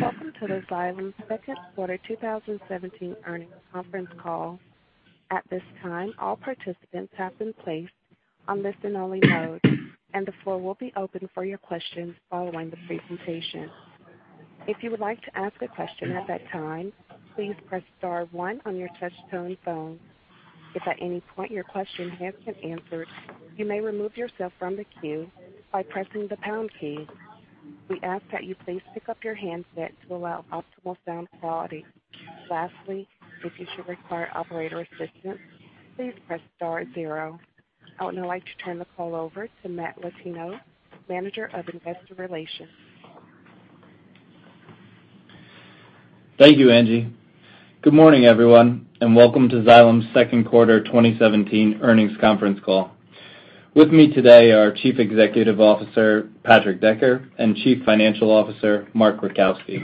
Welcome to the Xylem Second Quarter 2017 Earnings Conference Call. At this time, all participants have been placed on listen-only mode, and the floor will be open for your questions following the presentation. If you would like to ask a question at that time, please press star one on your touch-tone phone. If at any point your question has been answered, you may remove yourself from the queue by pressing the pound key. We ask that you please pick up your handset to allow optimal sound quality. Lastly, if you should require operator assistance, please press star zero. I would now like to turn the call over to Matthew Latino, Manager of Investor Relations. Thank you, Angie. Good morning, everyone, and welcome to Xylem's second quarter 2017 earnings conference call. With me today are Chief Executive Officer, Patrick Decker, and Chief Financial Officer, Mark Rajkowski.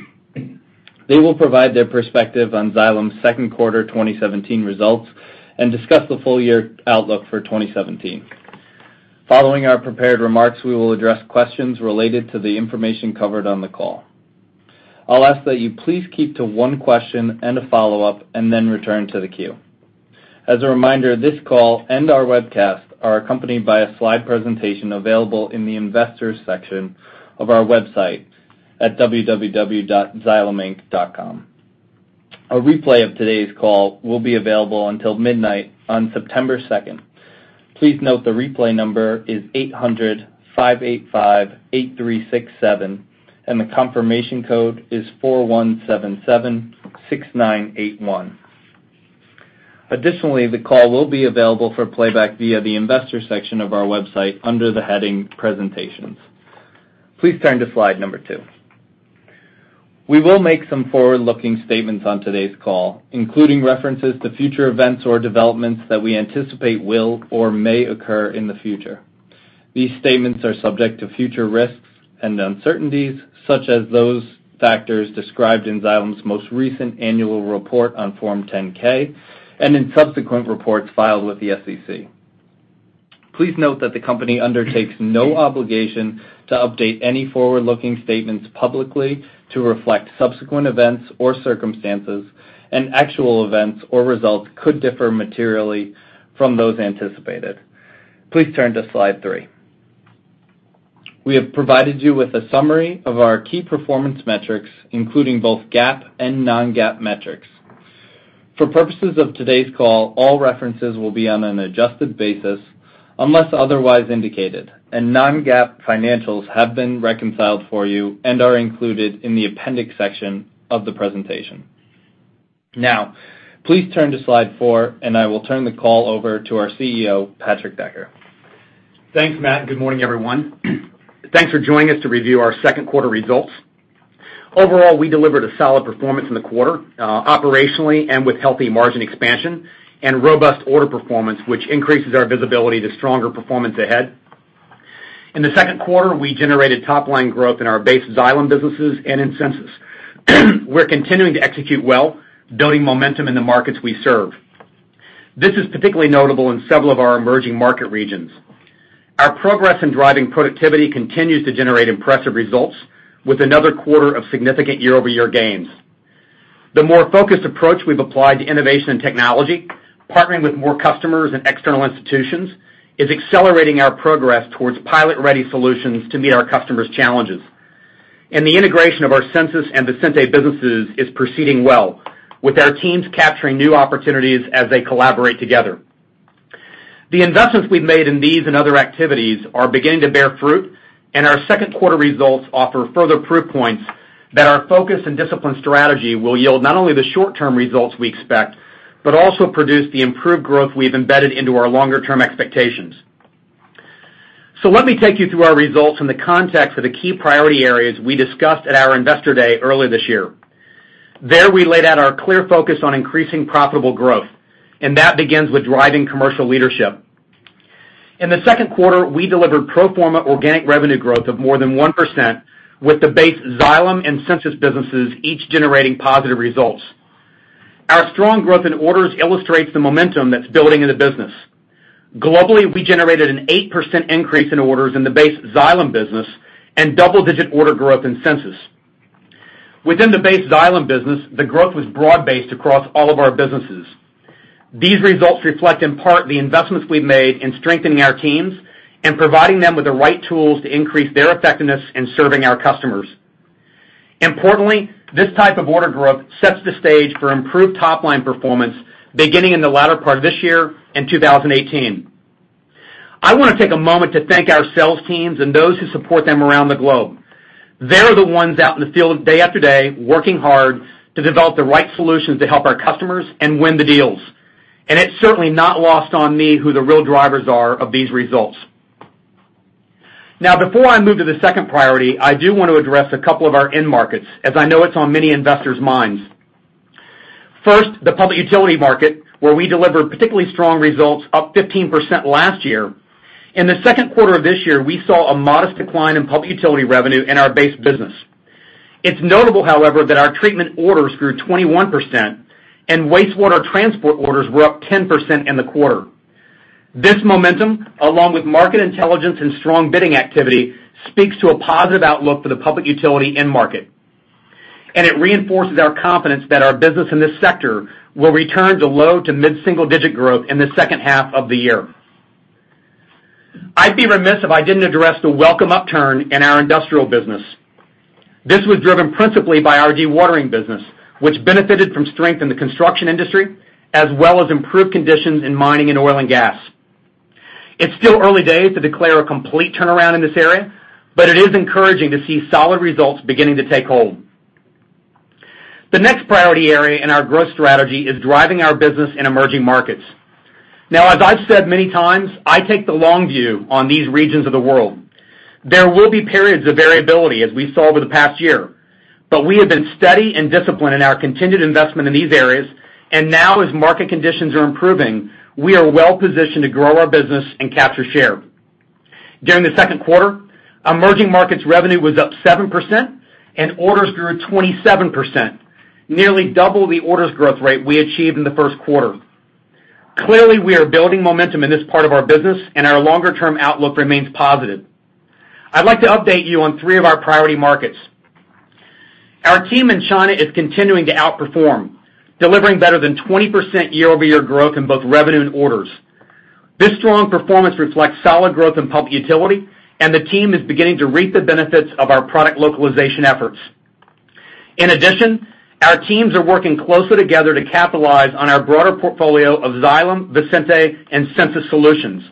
They will provide their perspective on Xylem's second quarter 2017 results and discuss the full-year outlook for 2017. Following our prepared remarks, we will address questions related to the information covered on the call. I'll ask that you please keep to one question and a follow-up and then return to the queue. As a reminder, this call and our webcast are accompanied by a slide presentation available in the Investors section of our website at www.xyleminc.com. A replay of today's call will be available until midnight on September 2nd. Please note the replay number is 800-585-8367, and the confirmation code is 4177-6981. Additionally, the call will be available for playback via the Investors section of our website under the heading Presentations. Please turn to slide number two. We will make some forward-looking statements on today's call, including references to future events or developments that we anticipate will or may occur in the future. These statements are subject to future risks and uncertainties, such as those factors described in Xylem's most recent annual report on Form 10-K and in subsequent reports filed with the SEC. Please note that the company undertakes no obligation to update any forward-looking statements publicly to reflect subsequent events or circumstances, and actual events or results could differ materially from those anticipated. Please turn to slide three. We have provided you with a summary of our key performance metrics, including both GAAP and non-GAAP metrics. For purposes of today's call, all references will be on an adjusted basis unless otherwise indicated, and non-GAAP financials have been reconciled for you and are included in the appendix section of the presentation. Now, please turn to slide four, and I will turn the call over to our CEO, Patrick Decker. Thanks, Matt. Good morning, everyone. Thanks for joining us to review our second quarter results. Overall, we delivered a solid performance in the quarter, operationally and with healthy margin expansion and robust order performance, which increases our visibility to stronger performance ahead. In the second quarter, we generated top-line growth in our base Xylem businesses and in Sensus. We're continuing to execute well, building momentum in the markets we serve. This is particularly notable in several of our emerging market regions. Our progress in driving productivity continues to generate impressive results with another quarter of significant year-over-year gains. The more focused approach we've applied to innovation and technology, partnering with more customers and external institutions, is accelerating our progress towards pilot-ready solutions to meet our customers' challenges. The integration of our Sensus and Visenti businesses is proceeding well, with our teams capturing new opportunities as they collaborate together. The investments we've made in these and other activities are beginning to bear fruit, and our second quarter results offer further proof points that our focused and disciplined strategy will yield not only the short-term results we expect but also produce the improved growth we've embedded into our longer-term expectations. Let me take you through our results in the context of the key priority areas we discussed at our Investor Day earlier this year. There, we laid out our clear focus on increasing profitable growth, and that begins with driving commercial leadership. In the second quarter, we delivered pro forma organic revenue growth of more than 1%, with the base Xylem and Sensus businesses each generating positive results. Our strong growth in orders illustrates the momentum that's building in the business. Globally, we generated an 8% increase in orders in the base Xylem business and double-digit order growth in Sensus. Within the base Xylem business, the growth was broad-based across all of our businesses. These results reflect, in part, the investments we've made in strengthening our teams and providing them with the right tools to increase their effectiveness in serving our customers. Importantly, this type of order growth sets the stage for improved top-line performance beginning in the latter part of this year and 2018. I want to take a moment to thank our sales teams and those who support them around the globe. They're the ones out in the field day after day, working hard to develop the right solutions to help our customers and win the deals. It's certainly not lost on me who the real drivers are of these results. Before I move to the second priority, I do want to address a couple of our end markets, as I know it's on many investors' minds. First, the public utility market, where we delivered particularly strong results, up 15% last year. In the second quarter of this year, we saw a modest decline in public utility revenue in our base business. It's notable, however, that our treatment orders grew 21% and wastewater transport orders were up 10% in the quarter. This momentum, along with market intelligence and strong bidding activity, speaks to a positive outlook for the public utility end market. It reinforces our confidence that our business in this sector will return to low to mid-single digit growth in the second half of the year. I'd be remiss if I didn't address the welcome upturn in our industrial business. This was driven principally by our dewatering business, which benefited from strength in the construction industry, as well as improved conditions in mining and oil and gas. It's still early days to declare a complete turnaround in this area, but it is encouraging to see solid results beginning to take hold. The next priority area in our growth strategy is driving our business in emerging markets. As I've said many times, I take the long view on these regions of the world. There will be periods of variability, as we saw over the past year. We have been steady and disciplined in our continued investment in these areas, and now as market conditions are improving, we are well-positioned to grow our business and capture share. During the second quarter, emerging markets revenue was up 7% and orders grew 27%, nearly double the orders growth rate we achieved in the first quarter. Clearly, we are building momentum in this part of our business and our longer-term outlook remains positive. I'd like to update you on three of our priority markets. Our team in China is continuing to outperform, delivering better than 20% year-over-year growth in both revenue and orders. This strong performance reflects solid growth in public utility, and the team is beginning to reap the benefits of our product localization efforts. In addition, our teams are working closely together to capitalize on our broader portfolio of Xylem, Visenti, and Sensus solutions.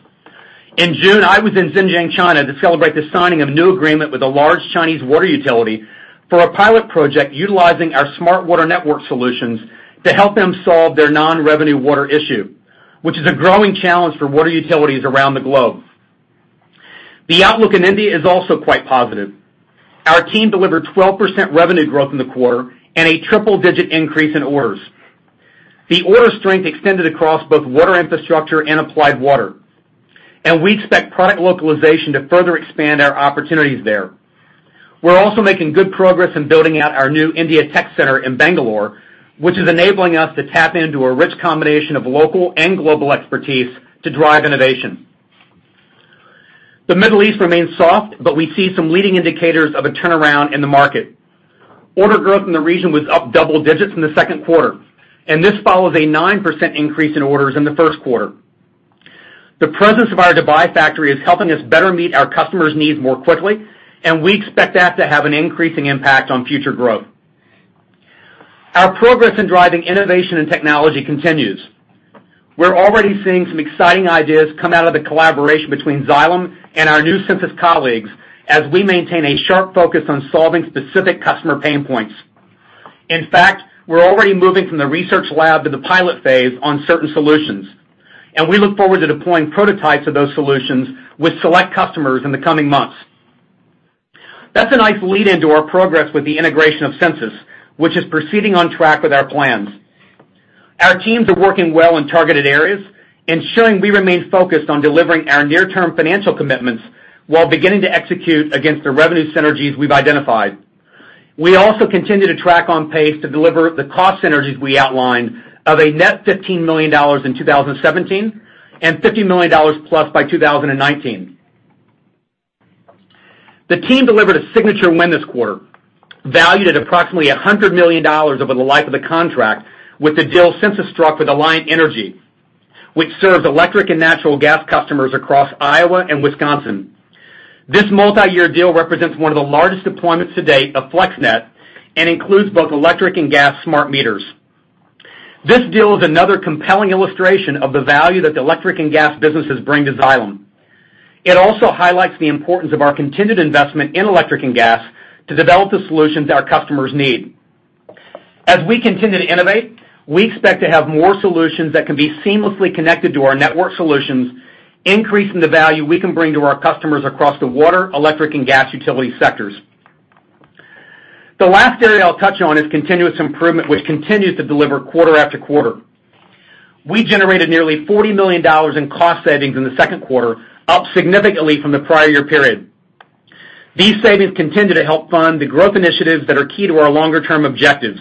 In June, I was in Zhenjiang, China, to celebrate the signing of a new agreement with a large Chinese water utility for a pilot project utilizing our Smart Water Network solutions to help them solve their non-revenue water issue, which is a growing challenge for water utilities around the globe. The outlook in India is also quite positive. Our team delivered 12% revenue growth in the quarter and a triple-digit increase in orders. The order strength extended across both Water Infrastructure and Applied Water. We expect product localization to further expand our opportunities there. We're also making good progress in building out our new India tech center in Bangalore, which is enabling us to tap into a rich combination of local and global expertise to drive innovation. The Middle East remains soft, we see some leading indicators of a turnaround in the market. Order growth in the region was up double digits in the second quarter, this follows a 9% increase in orders in the first quarter. The presence of our Dubai factory is helping us better meet our customers' needs more quickly, we expect that to have an increasing impact on future growth. Our progress in driving innovation and technology continues. We're already seeing some exciting ideas come out of the collaboration between Xylem and our new Sensus colleagues as we maintain a sharp focus on solving specific customer pain points. In fact, we're already moving from the research lab to the pilot phase on certain solutions, we look forward to deploying prototypes of those solutions with select customers in the coming months. That's a nice lead into our progress with the integration of Sensus, which is proceeding on track with our plans. Our teams are working well in targeted areas, ensuring we remain focused on delivering our near-term financial commitments while beginning to execute against the revenue synergies we've identified. We also continue to track on pace to deliver the cost synergies we outlined of a net $15 million in 2017 and $50 million-plus by 2019. The team delivered a signature win this quarter, valued at approximately $100 million over the life of the contract with the deal Sensus struck with Alliant Energy, which serves electric and natural gas customers across Iowa and Wisconsin. This multiyear deal represents one of the largest deployments to date of FlexNet and includes both electric and gas smart meters. This deal is another compelling illustration of the value that the electric and gas businesses bring to Xylem. It also highlights the importance of our continued investment in electric and gas to develop the solutions our customers need. As we continue to innovate, we expect to have more solutions that can be seamlessly connected to our network solutions, increasing the value we can bring to our customers across the water, electric, and gas utility sectors. The last area I'll touch on is continuous improvement, which continues to deliver quarter after quarter. We generated nearly $40 million in cost savings in the second quarter, up significantly from the prior year period. These savings continue to help fund the growth initiatives that are key to our longer-term objectives.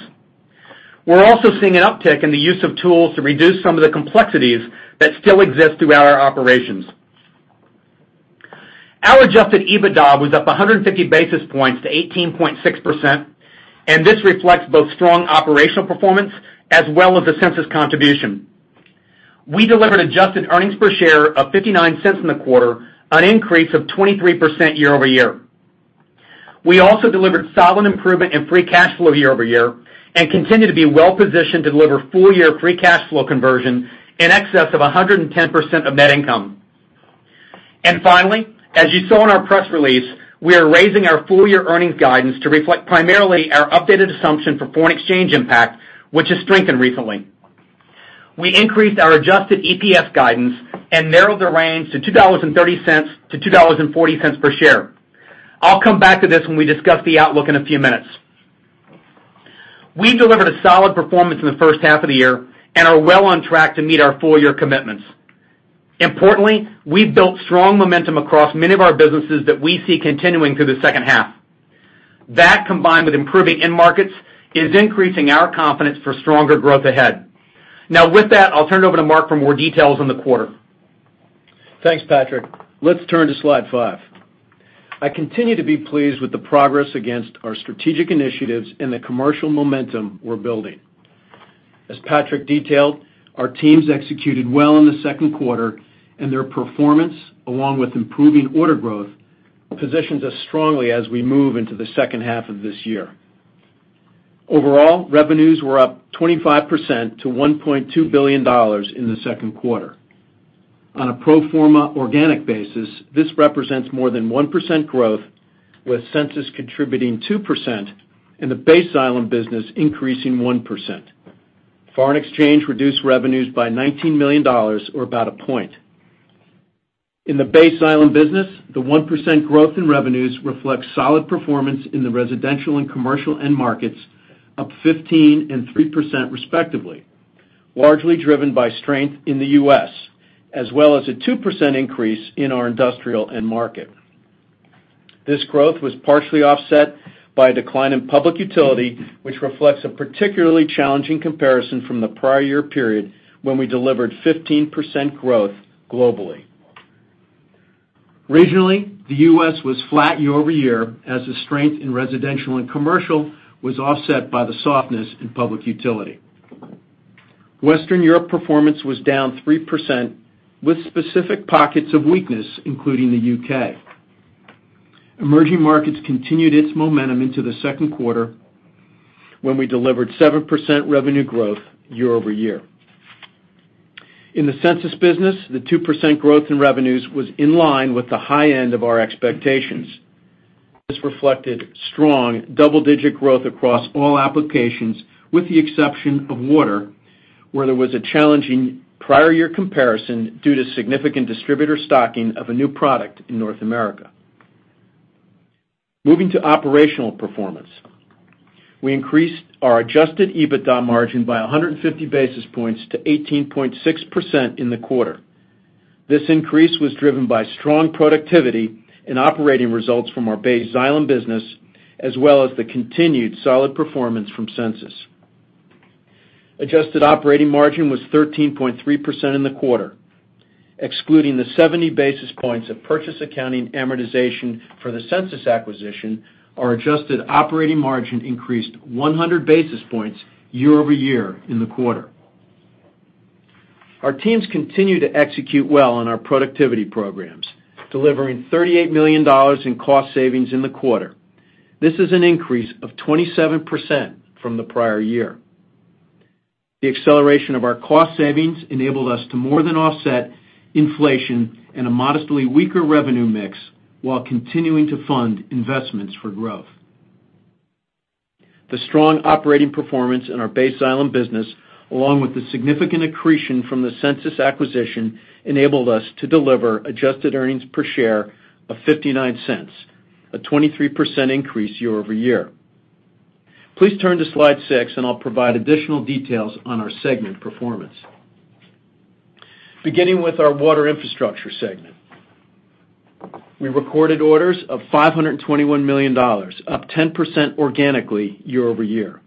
We're also seeing an uptick in the use of tools to reduce some of the complexities that still exist throughout our operations. Our adjusted EBITDA was up 150 basis points to 18.6%. This reflects both strong operational performance as well as the Sensus contribution. We delivered adjusted earnings per share of $0.59 in the quarter, an increase of 23% year-over-year. We also delivered solid improvement in free cash flow year-over-year and continue to be well-positioned to deliver full-year free cash flow conversion in excess of 110% of net income. Finally, as you saw in our press release, we are raising our full-year earnings guidance to reflect primarily our updated assumption for foreign exchange impact, which has strengthened recently. We increased our adjusted EPS guidance and narrowed the range to $2.30-$2.40 per share. I'll come back to this when we discuss the outlook in a few minutes. We've delivered a solid performance in the first half of the year and are well on track to meet our full-year commitments. Importantly, we've built strong momentum across many of our businesses that we see continuing through the second half. That combined with improving end markets is increasing our confidence for stronger growth ahead. With that, I'll turn it over to Mark for more details on the quarter. Thanks, Patrick. Let's turn to slide five. I continue to be pleased with the progress against our strategic initiatives and the commercial momentum we're building. As Patrick detailed, our teams executed well in the second quarter, and their performance, along with improving order growth, positions us strongly as we move into the second half of this year. Overall, revenues were up 25% to $1.2 billion in the second quarter. On a pro forma organic basis, this represents more than 1% growth, with Sensus contributing 2% and the base Xylem business increasing 1%. Foreign exchange reduced revenues by $19 million or about a point. In the base Xylem business, the 1% growth in revenues reflects solid performance in the residential and commercial end markets, up 15% and 3% respectively, largely driven by strength in the U.S., as well as a 2% increase in our industrial end market. This growth was partially offset by a decline in public utility, which reflects a particularly challenging comparison from the prior year period when we delivered 15% growth globally. Regionally, the U.S. was flat year-over-year as the strength in residential and commercial was offset by the softness in public utility. Western Europe performance was down 3% with specific pockets of weakness, including the U.K. Emerging markets continued its momentum into the second quarter when we delivered 7% revenue growth year-over-year. In the Sensus business, the 2% growth in revenues was in line with the high end of our expectations. This reflected strong double-digit growth across all applications, with the exception of water, where there was a challenging prior year comparison due to significant distributor stocking of a new product in North America. Moving to operational performance. We increased our adjusted EBITDA margin by 150 basis points to 18.6% in the quarter. This increase was driven by strong productivity and operating results from our base Xylem business, as well as the continued solid performance from Sensus. Adjusted operating margin was 13.3% in the quarter. Excluding the 70 basis points of purchase accounting amortization for the Sensus acquisition, our adjusted operating margin increased 100 basis points year-over-year in the quarter. Our teams continue to execute well on our productivity programs, delivering $38 million in cost savings in the quarter. This is an increase of 27% from the prior year. The acceleration of our cost savings enabled us to more than offset inflation and a modestly weaker revenue mix while continuing to fund investments for growth. The strong operating performance in our base Xylem business, along with the significant accretion from the Sensus acquisition, enabled us to deliver adjusted earnings per share of $0.59, a 23% increase year-over-year. Please turn to slide six, and I'll provide additional details on our segment performance. Beginning with our Water Infrastructure segment. We recorded orders of $521 million, up 10% organically year-over-year.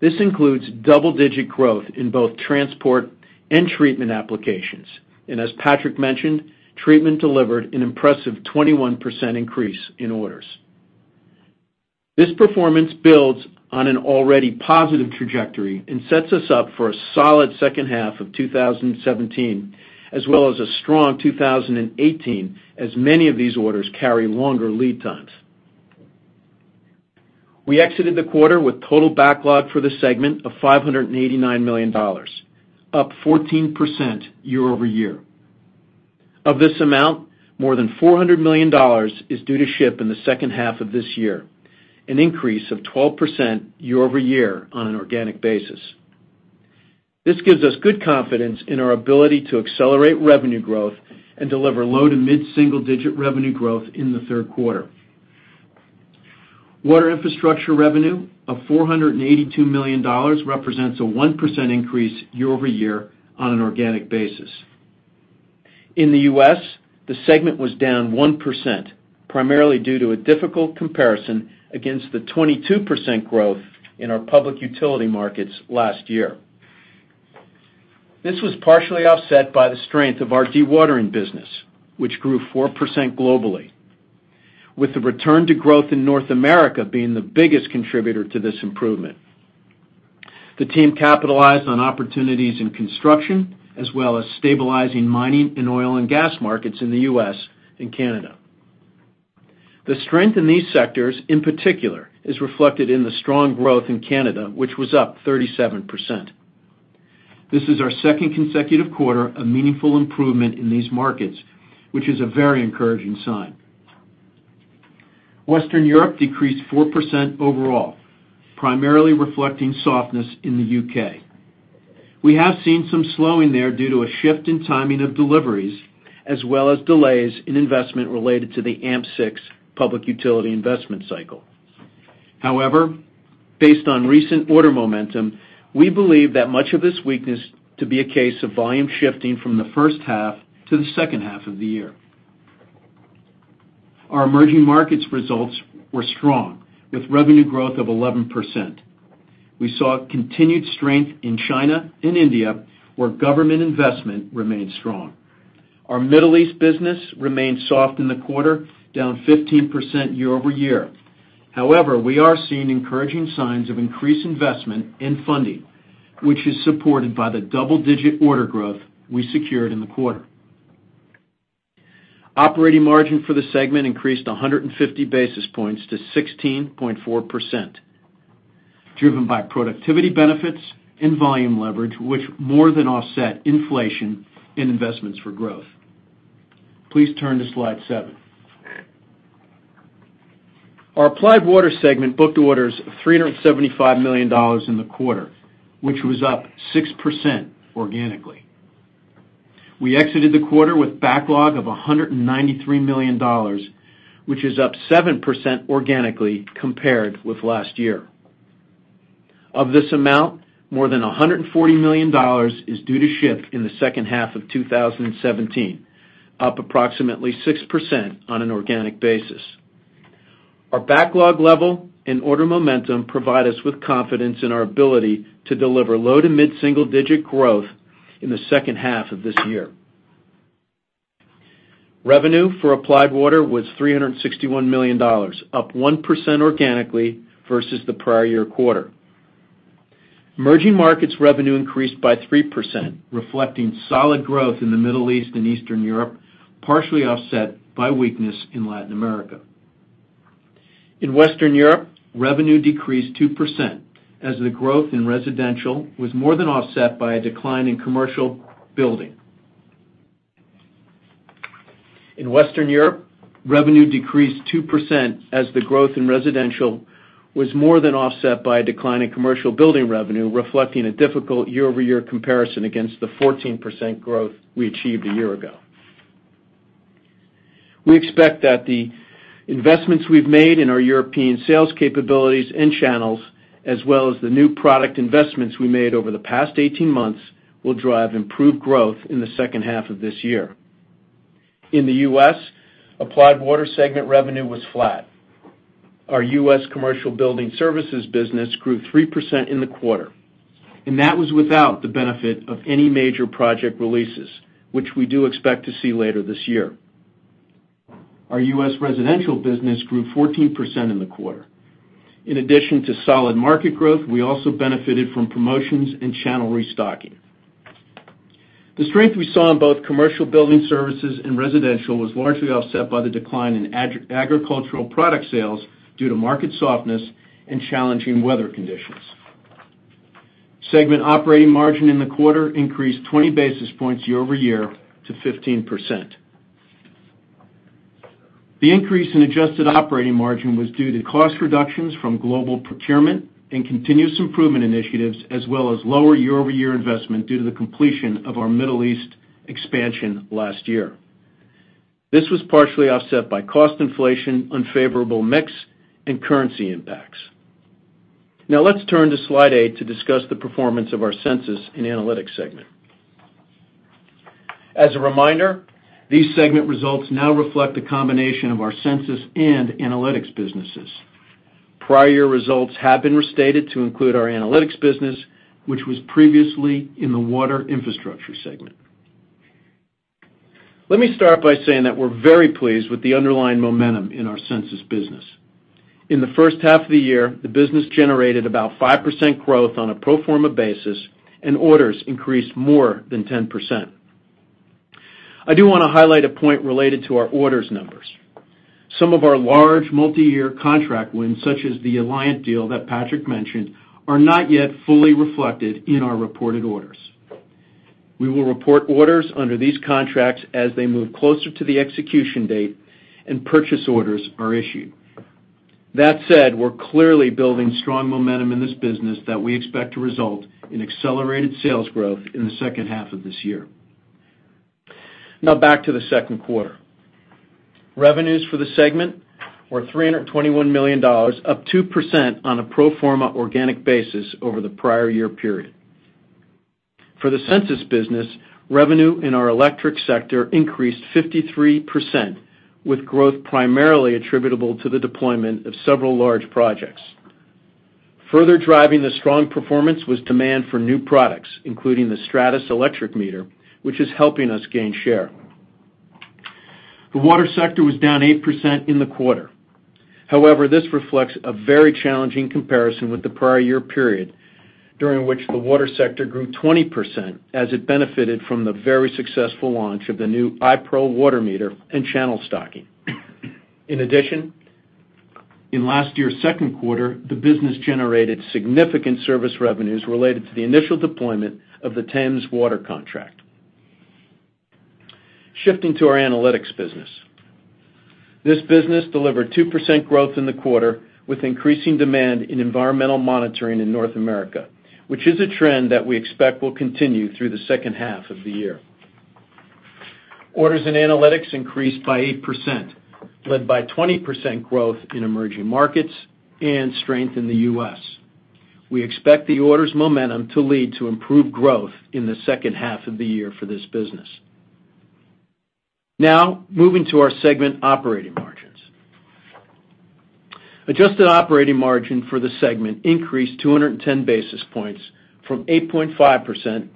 This includes double-digit growth in both transport and treatment applications. As Patrick mentioned, treatment delivered an impressive 21% increase in orders. This performance builds on an already positive trajectory and sets us up for a solid second half of 2017, as well as a strong 2018, as many of these orders carry longer lead times. We exited the quarter with total backlog for the segment of $589 million, up 14% year-over-year. Of this amount, more than $400 million is due to ship in the second half of this year, an increase of 12% year-over-year on an organic basis. This gives us good confidence in our ability to accelerate revenue growth and deliver low to mid-single-digit revenue growth in the third quarter. Water Infrastructure revenue of $482 million represents a 1% increase year-over-year on an organic basis. In the U.S., the segment was down 1%, primarily due to a difficult comparison against the 22% growth in our public utility markets last year. This was partially offset by the strength of our dewatering business, which grew 4% globally, with the return to growth in North America being the biggest contributor to this improvement. The team capitalized on opportunities in construction, as well as stabilizing mining in oil and gas markets in the U.S. and Canada. The strength in these sectors, in particular, is reflected in the strong growth in Canada, which was up 37%. This is our second consecutive quarter of meaningful improvement in these markets, which is a very encouraging sign. Western Europe decreased 4% overall, primarily reflecting softness in the U.K. We have seen some slowing there due to a shift in timing of deliveries, as well as delays in investment related to the AMP6 public utility investment cycle. Based on recent order momentum, we believe that much of this weakness to be a case of volume shifting from the first half to the second half of the year. Our emerging markets results were strong, with revenue growth of 11%. We saw continued strength in China and India, where government investment remained strong. Our Middle East business remained soft in the quarter, down 15% year-over-year. We are seeing encouraging signs of increased investment in funding, which is supported by the double-digit order growth we secured in the quarter. Operating margin for the segment increased 150 basis points to 16.4%, driven by productivity benefits and volume leverage, which more than offset inflation in investments for growth. Please turn to Slide seven. Our Applied Water segment booked orders of $375 million in the quarter, which was up 6% organically. We exited the quarter with backlog of $193 million, which is up 7% organically compared with last year. Of this amount, more than $140 million is due to ship in the second half of 2017, up approximately 6% on an organic basis. Our backlog level and order momentum provide us with confidence in our ability to deliver low to mid-single-digit growth in the second half of this year. Revenue for Applied Water was $361 million, up 1% organically versus the prior year quarter. Emerging markets revenue increased by 3%, reflecting solid growth in the Middle East and Eastern Europe, partially offset by weakness in Latin America. In Western Europe, revenue decreased 2% as the growth in residential was more than offset by a decline in commercial building. In Western Europe, revenue decreased 2% as the growth in residential was more than offset by a decline in commercial building revenue, reflecting a difficult year-over-year comparison against the 14% growth we achieved a year ago. We expect that the investments we've made in our European sales capabilities and channels, as well as the new product investments we made over the past 18 months, will drive improved growth in the second half of this year. In the U.S., Applied Water segment revenue was flat. Our U.S. Commercial Building Services business grew 3% in the quarter, and that was without the benefit of any major project releases, which we do expect to see later this year. Our U.S. residential business grew 14% in the quarter. In addition to solid market growth, we also benefited from promotions and channel restocking. The strength we saw in both commercial building services and residential was largely offset by the decline in agricultural product sales due to market softness and challenging weather conditions. Segment operating margin in the quarter increased 20 basis points year-over-year to 15%. The increase in adjusted operating margin was due to cost reductions from global procurement and continuous improvement initiatives, as well as lower year-over-year investment due to the completion of our Middle East expansion last year. This was partially offset by cost inflation, unfavorable mix, and currency impacts. Let's turn to Slide 8 to discuss the performance of our Sensus & Analytics segment. As a reminder, these segment results now reflect the combination of our Sensus & Analytics businesses. Prior year results have been restated to include our Analytics business, which was previously in the Water Infrastructure segment. Let me start by saying that we're very pleased with the underlying momentum in our Sensus business. In the first half of the year, the business generated about 5% growth on a pro forma basis, and orders increased more than 10%. I do want to highlight a point related to our orders numbers. Some of our large multi-year contract wins, such as the Alliant deal that Patrick mentioned, are not yet fully reflected in our reported orders. We will report orders under these contracts as they move closer to the execution date and purchase orders are issued. That said, we're clearly building strong momentum in this business that we expect to result in accelerated sales growth in the second half of this year. Back to the second quarter. Revenues for the segment were $321 million, up 2% on a pro forma organic basis over the prior year period. For the Sensus business, revenue in our electric sector increased 53%, with growth primarily attributable to the deployment of several large projects. Further driving the strong performance was demand for new products, including the Stratus electric meter, which is helping us gain share. The water sector was down 8% in the quarter. However, this reflects a very challenging comparison with the prior year period, during which the water sector grew 20% as it benefited from the very successful launch of the new iPerl water meter and channel stocking. In addition, in last year's second quarter, the business generated significant service revenues related to the initial deployment of the Thames Water contract. Shifting to our Analytics business. This business delivered 2% growth in the quarter with increasing demand in environmental monitoring in North America, which is a trend that we expect will continue through the second half of the year. Orders in analytics increased by 8%, led by 20% growth in emerging markets and strength in the U.S. We expect the orders momentum to lead to improved growth in the second half of the year for this business. Moving to our segment operating margins. Adjusted operating margin for the segment increased 210 basis points from 8.5%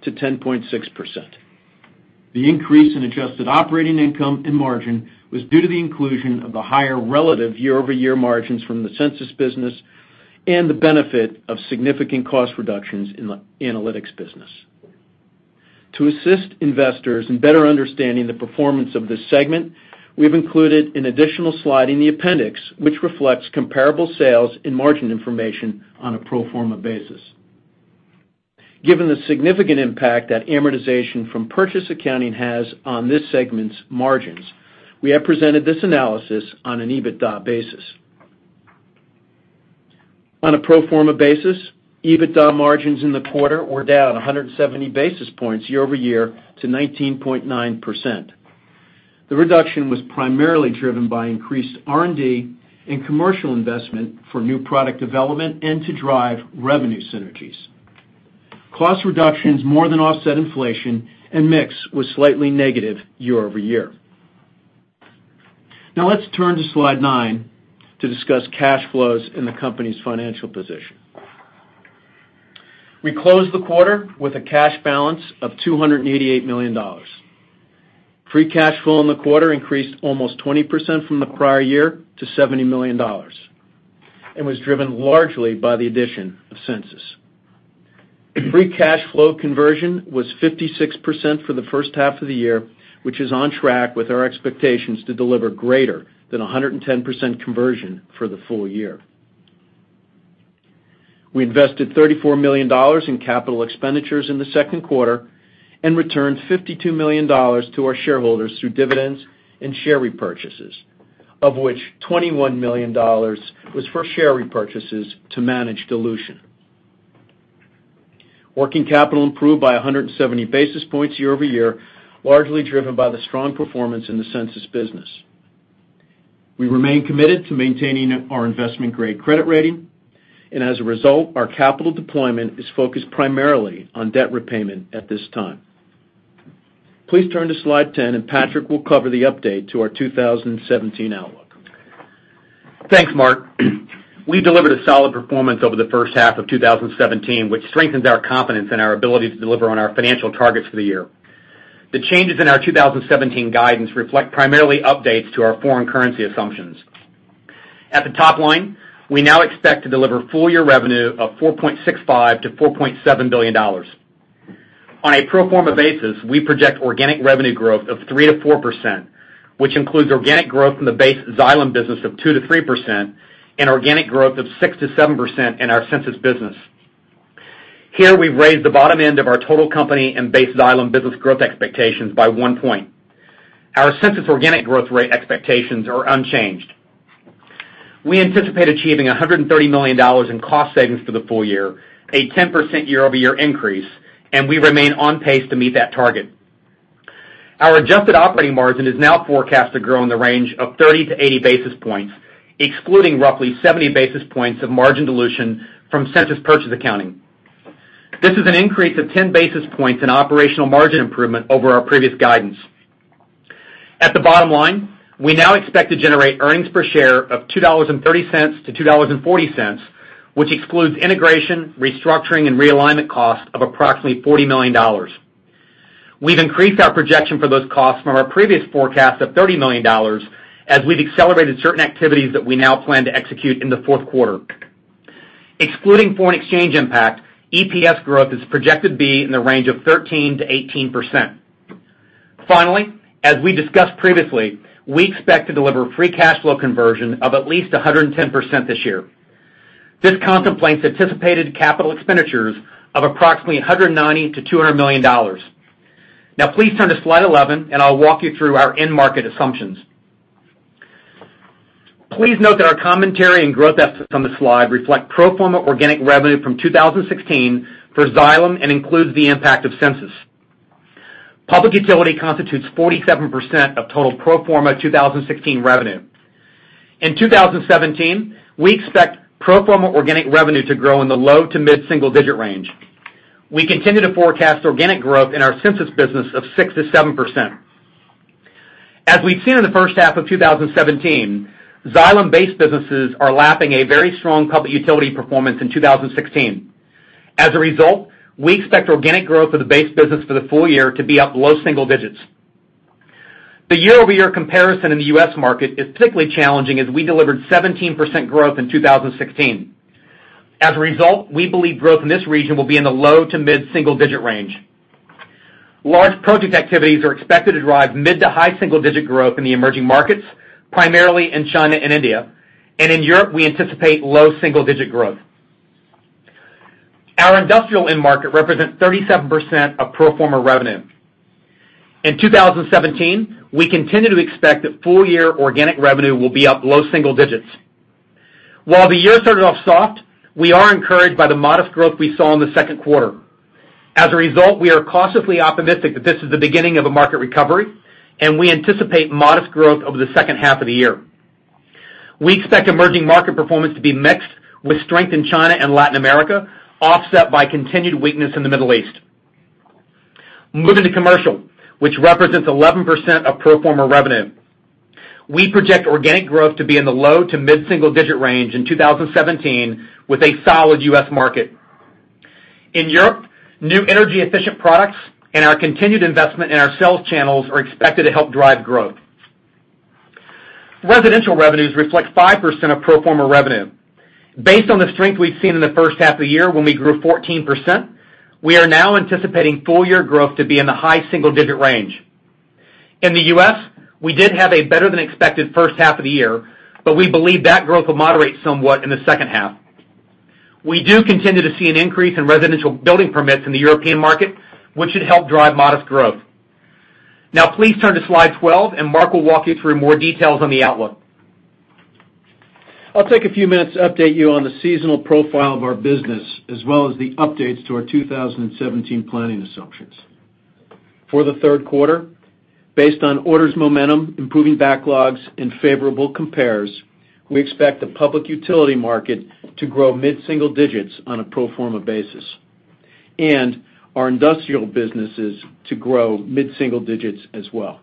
to 10.6%. The increase in adjusted operating income and margin was due to the inclusion of the higher relative year-over-year margins from the Sensus business and the benefit of significant cost reductions in the Analytics business. To assist investors in better understanding the performance of this segment, we've included an additional slide in the appendix which reflects comparable sales and margin information on a pro forma basis. Given the significant impact that amortization from purchase accounting has on this segment's margins, we have presented this analysis on an EBITDA basis. On a pro forma basis, EBITDA margins in the quarter were down 170 basis points year-over-year to 19.9%. The reduction was primarily driven by increased R&D and commercial investment for new product development and to drive revenue synergies. Cost reductions more than offset inflation and mix was slightly negative year-over-year. Let's turn to slide nine to discuss cash flows in the company's financial position. We closed the quarter with a cash balance of $288 million. Free cash flow in the quarter increased almost 20% from the prior year to $70 million and was driven largely by the addition of Sensus. Free cash flow conversion was 56% for the first half of the year, which is on track with our expectations to deliver greater than 110% conversion for the full year. We invested $34 million in capital expenditures in the second quarter and returned $52 million to our shareholders through dividends and share repurchases, of which $21 million was for share repurchases to manage dilution. Working capital improved by 170 basis points year-over-year, largely driven by the strong performance in the Sensus business. We remain committed to maintaining our investment-grade credit rating. As a result, our capital deployment is focused primarily on debt repayment at this time. Please turn to slide 10, Patrick will cover the update to our 2017 outlook. Thanks, Mark. We delivered a solid performance over the first half of 2017, which strengthens our confidence in our ability to deliver on our financial targets for the year. The changes in our 2017 guidance reflect primarily updates to our foreign currency assumptions. At the top line, we now expect to deliver full-year revenue of $4.65 billion-$4.7 billion. On a pro forma basis, we project organic revenue growth of 3%-4%, which includes organic growth in the base Xylem business of 2%-3% and organic growth of 6%-7% in our Sensus business. Here we've raised the bottom end of our total company and base Xylem business growth expectations by one point. Our Sensus organic growth rate expectations are unchanged. We anticipate achieving $130 million in cost savings for the full year, a 10% year-over-year increase. We remain on pace to meet that target. Our adjusted operating margin is now forecast to grow in the range of 30 to 80 basis points, excluding roughly 70 basis points of margin dilution from Sensus purchase accounting. This is an increase of 10 basis points in operational margin improvement over our previous guidance. At the bottom line, we now expect to generate earnings per share of $2.30-$2.40, which excludes integration, restructuring, and realignment costs of approximately $40 million. We've increased our projection for those costs from our previous forecast of $30 million as we've accelerated certain activities that we now plan to execute in the fourth quarter. Excluding foreign exchange impact, EPS growth is projected to be in the range of 13%-18%. Finally, as we discussed previously, we expect to deliver free cash flow conversion of at least 110% this year. This contemplates anticipated capital expenditures of approximately $190 million-$200 million. Please turn to slide 11. I'll walk you through our end market assumptions. Please note that our commentary and growth estimates on this slide reflect pro forma organic revenue from 2016 for Xylem and includes the impact of Sensus. Public utility constitutes 47% of total pro forma 2016 revenue. In 2017, we expect pro forma organic revenue to grow in the low to mid-single digit range. We continue to forecast organic growth in our Sensus business of 6%-7%. As we've seen in the first half of 2017, Xylem base businesses are lapping a very strong public utility performance in 2016. As a result, we expect organic growth of the base business for the full year to be up low single digits. The year-over-year comparison in the U.S. market is particularly challenging as we delivered 17% growth in 2016. As a result, we believe growth in this region will be in the low to mid-single digit range. Large project activities are expected to drive mid to high single digit growth in the emerging markets, primarily in China and India. In Europe, we anticipate low single digit growth. Our industrial end market represents 37% of pro forma revenue. In 2017, we continue to expect that full-year organic revenue will be up low single digits. While the year started off soft, we are encouraged by the modest growth we saw in the second quarter. As a result, we are cautiously optimistic that this is the beginning of a market recovery, and we anticipate modest growth over the second half of the year. We expect emerging market performance to be mixed with strength in China and Latin America, offset by continued weakness in the Middle East. Moving to commercial, which represents 11% of pro forma revenue. We project organic growth to be in the low to mid-single digit range in 2017, with a solid U.S. market. In Europe, new energy-efficient products and our continued investment in our sales channels are expected to help drive growth. Residential revenues reflect 5% of pro forma revenue. Based on the strength we've seen in the first half of the year when we grew 14%, we are now anticipating full-year growth to be in the high single-digit range. In the U.S., we did have a better-than-expected first half of the year, but we believe that growth will moderate somewhat in the second half. We do continue to see an increase in residential building permits in the European market, which should help drive modest growth. Please turn to slide 12. Mark will walk you through more details on the outlook. I'll take a few minutes to update you on the seasonal profile of our business, as well as the updates to our 2017 planning assumptions. For the third quarter, based on orders momentum, improving backlogs, and favorable compares, we expect the public utility market to grow mid-single digits on a pro forma basis, and our industrial businesses to grow mid-single digits as well.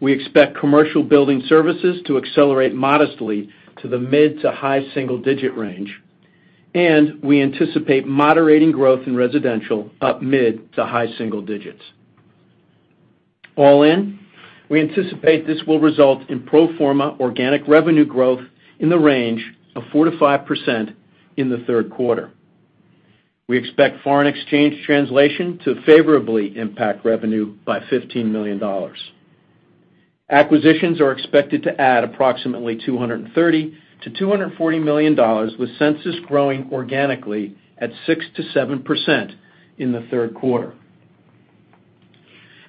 We expect commercial building services to accelerate modestly to the mid to high single-digit range, and we anticipate moderating growth in residential up mid to high single digits. All in, we anticipate this will result in pro forma organic revenue growth in the range of 4%-5% in the third quarter. We expect foreign exchange translation to favorably impact revenue by $15 million. Acquisitions are expected to add approximately $230 million-$240 million, with Sensus growing organically at 6%-7% in the third quarter.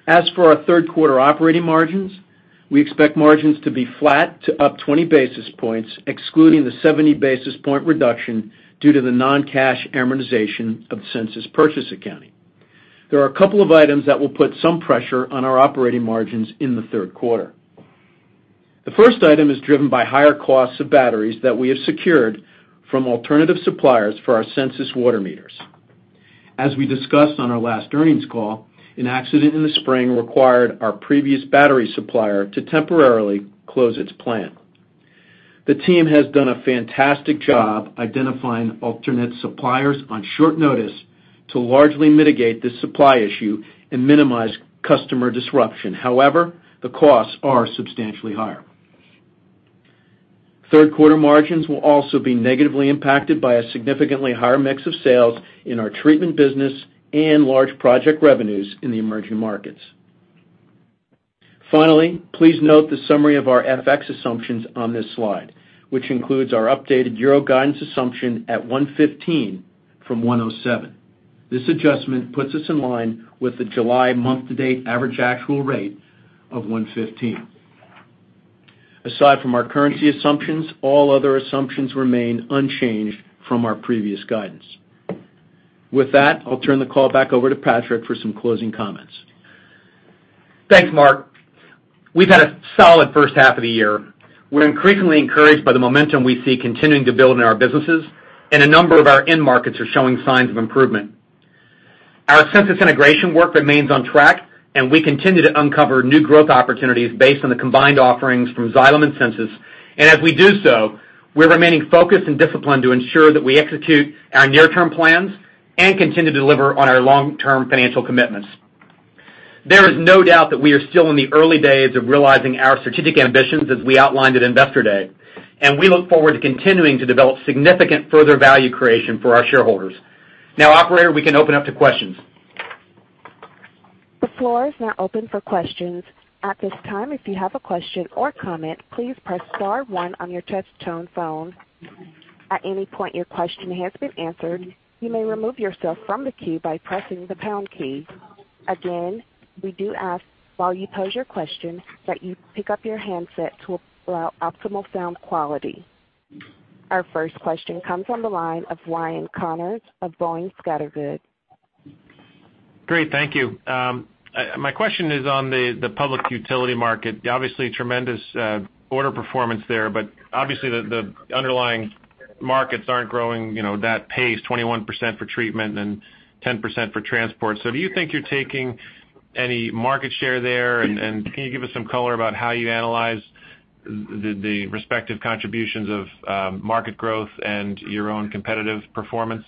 As for our third quarter operating margins, we expect margins to be flat to up 20 basis points, excluding the 70 basis point reduction due to the non-cash amortization of Sensus purchase accounting. There are a couple of items that will put some pressure on our operating margins in the third quarter. The first item is driven by higher costs of batteries that we have secured from alternative suppliers for our Sensus water meters. As we discussed on our last earnings call, an accident in the spring required our previous battery supplier to temporarily close its plant. The team has done a fantastic job identifying alternate suppliers on short notice to largely mitigate this supply issue and minimize customer disruption. However, the costs are substantially higher. Third-quarter margins will also be negatively impacted by a significantly higher mix of sales in our treatment business and large project revenues in the emerging markets. Finally, please note the summary of our FX assumptions on this slide, which includes our updated EUR guidance assumption at 115 from 107. This adjustment puts us in line with the July month-to-date average actual rate of 115. Aside from our currency assumptions, all other assumptions remain unchanged from our previous guidance. With that, I'll turn the call back over to Patrick for some closing comments. Thanks, Mark. We've had a solid first half of the year. We're increasingly encouraged by the momentum we see continuing to build in our businesses. A number of our end markets are showing signs of improvement. Our Sensus integration work remains on track, and we continue to uncover new growth opportunities based on the combined offerings from Xylem and Sensus. As we do so, we're remaining focused and disciplined to ensure that we execute our near-term plans and continue to deliver on our long-term financial commitments. There is no doubt that we are still in the early days of realizing our strategic ambitions as we outlined at Investor Day, and we look forward to continuing to develop significant further value creation for our shareholders. Now, operator, we can open up to questions. The floor is now open for questions. At this time, if you have a question or comment, please press star one on your touchtone phone. At any point your question has been answered, you may remove yourself from the queue by pressing the pound key. Again, we do ask while you pose your question that you pick up your handset to allow optimal sound quality. Our first question comes on the line of Ryan Connors of Boenning & Scattergood. Great. Thank you. My question is on the public utility market. Obviously, tremendous order performance there, but obviously, the underlying markets aren't growing that pace, 21% for treatment and 10% for transport. Do you think you're taking any market share there? Can you give us some color about how you analyze the respective contributions of market growth and your own competitive performance?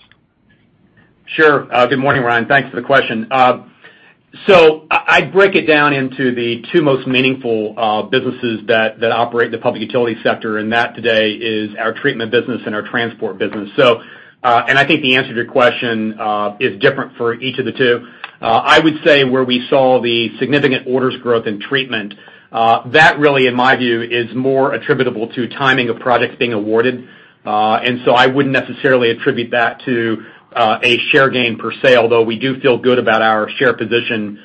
Sure. Good morning, Ryan. Thanks for the question. I break it down into the two most meaningful businesses that operate in the public utility sector, and that today is our treatment business and our transport business. I think the answer to your question is different for each of the two. I would say where we saw the significant orders growth in treatment, that really, in my view, is more attributable to timing of projects being awarded. I wouldn't necessarily attribute that to a share gain per se, although we do feel good about our share position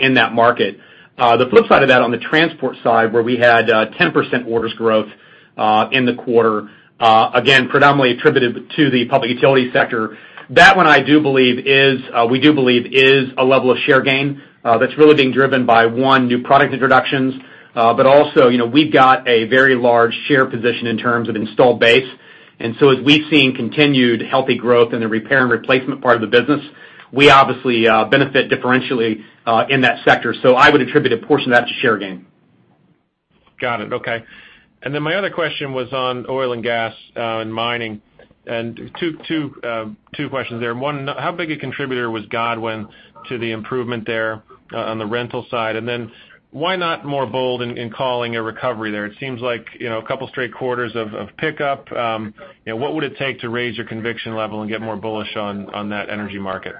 in that market. The flip side of that, on the transport side, where we had 10% orders growth in the quarter, again, predominantly attributed to the public utility sector. That one, we do believe is a level of share gain that's really being driven by, one, new product introductions, but also, we've got a very large share position in terms of installed base. As we've seen continued healthy growth in the repair and replacement part of the business, we obviously benefit differentially in that sector. I would attribute a portion of that to share gain. Got it. Okay. My other question was on oil and gas and mining, two questions there. One, how big a contributor was Godwin to the improvement there on the rental side? Why not more bold in calling a recovery there? It seems like a couple of straight quarters of pickup. What would it take to raise your conviction level and get more bullish on that energy market?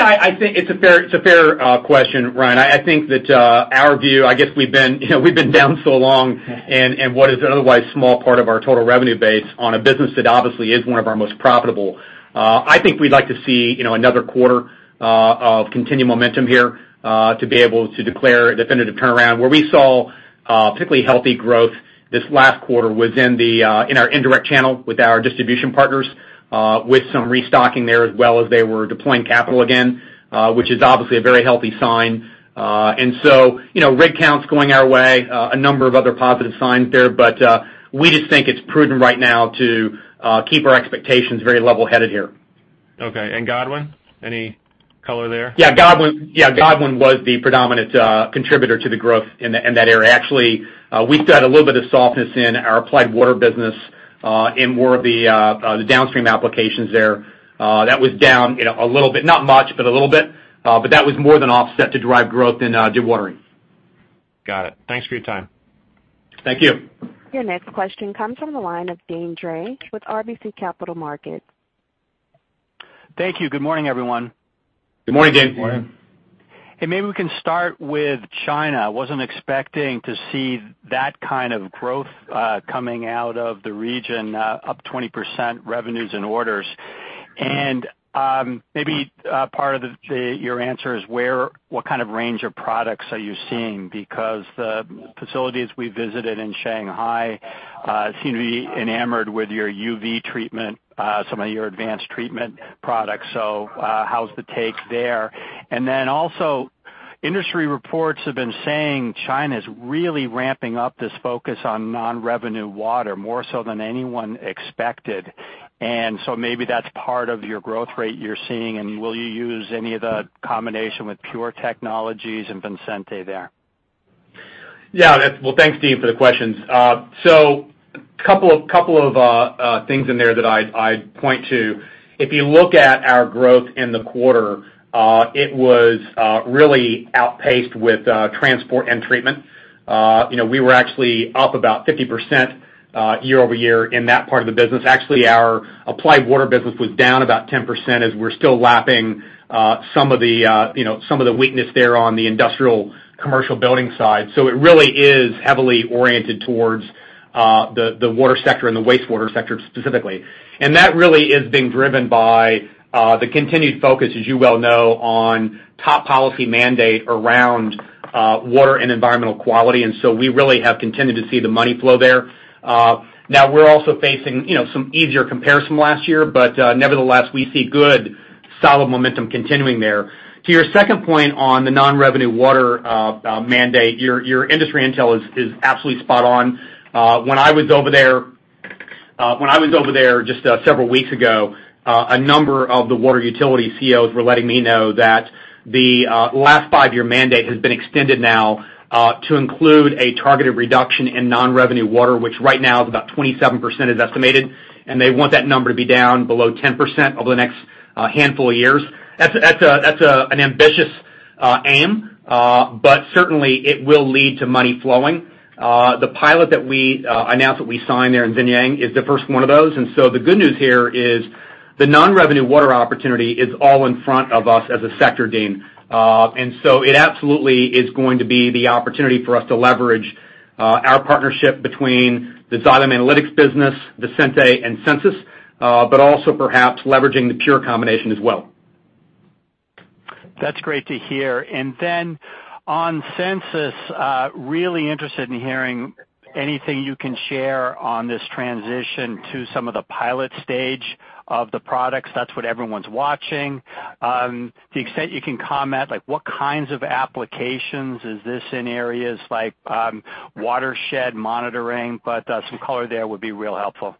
I think it's a fair question, Ryan. I think that our view, I guess we've been down so long and what is an otherwise small part of our total revenue base on a business that obviously is one of our most profitable. I think we'd like to see another quarter of continued momentum here to be able to declare a definitive turnaround. Where we saw particularly healthy growth this last quarter was in our indirect channel with our distribution partners with some restocking there, as well as they were deploying capital again, which is obviously a very healthy sign. Rig count's going our way, a number of other positive signs there, but we just think it's prudent right now to keep our expectations very level-headed here. Okay. Godwin, any color there? Godwin was the predominant contributor to the growth in that area. Actually, we've got a little bit of softness in our Applied Water business in more of the downstream applications there. That was down a little bit. Not much, but a little bit. That was more than offset to drive growth in dewatering. Got it. Thanks for your time. Thank you. Your next question comes from the line of Deane Dray with RBC Capital Markets. Thank you. Good morning, everyone. Good morning, Deane. Morning. Maybe we can start with China. Wasn't expecting to see that kind of growth coming out of the region, up 20% revenues and orders. Maybe part of your answer is what kind of range of products are you seeing? Because the facilities we visited in Shanghai seem to be enamored with your UV treatment, some of your advanced treatment products. How's the take there? Industry reports have been saying China's really ramping up this focus on non-revenue water, more so than anyone expected. Maybe that's part of your growth rate you're seeing. Will you use any of the combination with Pure Technologies and Visenti there? Thanks, Deane, for the questions. A couple of things in there that I'd point to. If you look at our growth in the quarter, it was really outpaced with transport and treatment. We were actually up about 50% year-over-year in that part of the business. Actually, our Applied Water business was down about 10% as we're still lapping some of the weakness there on the industrial commercial building side. It really is heavily oriented towards the water sector and the wastewater sector specifically. That really is being driven by the continued focus, as you well know, on top policy mandate around water and environmental quality, we really have continued to see the money flow there. We're also facing some easier comparison last year, nevertheless, we see good solid momentum continuing there. To your second point on the non-revenue water mandate, your industry intel is absolutely spot on. When I was over there just several weeks ago, a number of the water utility CEOs were letting me know that the last five-year mandate has been extended now to include a targeted reduction in non-revenue water, which right now is about 27% as estimated, they want that number to be down below 10% over the next handful of years. That's an ambitious aim, certainly it will lead to money flowing. The pilot that we announced that we signed there in Zhenjiang is the first one of those. The good news here is the non-revenue water opportunity is all in front of us as a sector, Deane. It absolutely is going to be the opportunity for us to leverage our partnership between the Xylem Analytics business, Visenti, and Sensus, but also perhaps leveraging the Pure combination as well. That's great to hear. On Sensus, really interested in hearing anything you can share on this transition to some of the pilot stage of the products. That's what everyone's watching. To the extent you can comment, like what kinds of applications is this in areas like watershed monitoring, some color there would be real helpful.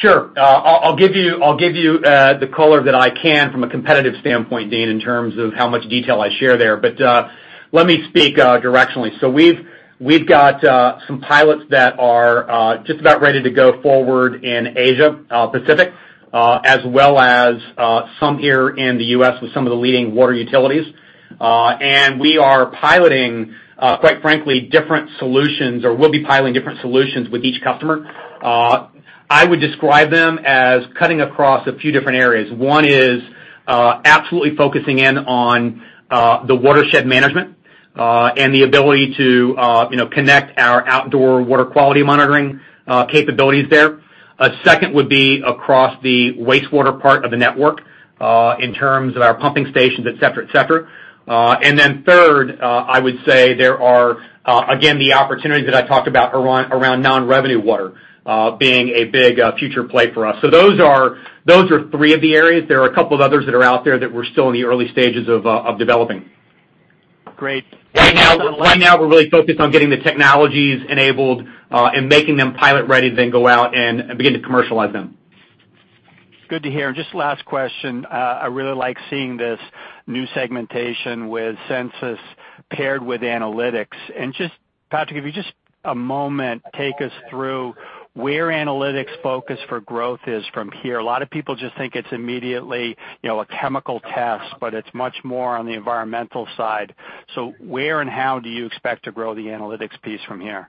Sure. I'll give you the color that I can from a competitive standpoint, Deane, in terms of how much detail I share there. Let me speak directionally. We've got some pilots that are just about ready to go forward in Asia Pacific, as well as some here in the U.S. with some of the leading water utilities. We are piloting, quite frankly, different solutions, or will be piloting different solutions with each customer. I would describe them as cutting across a few different areas. One is absolutely focusing in on the watershed management. The ability to connect our outdoor water quality monitoring capabilities there. Second would be across the wastewater part of the network, in terms of our pumping stations, et cetera. Third, I would say there are, again, the opportunities that I talked about around non-revenue water being a big future play for us. Those are three of the areas. There are a couple of others that are out there that we're still in the early stages of developing. Great. Right now, we're really focused on getting the technologies enabled and making them pilot-ready, go out and begin to commercialize them. It's good to hear. Just last question, I really like seeing this new segmentation with Sensus paired with Analytics. Patrick, if you just, a moment, take us through where Analytics' focus for growth is from here. A lot of people just think it's immediately a chemical test, but it's much more on the environmental side. Where and how do you expect to grow the Analytics piece from here?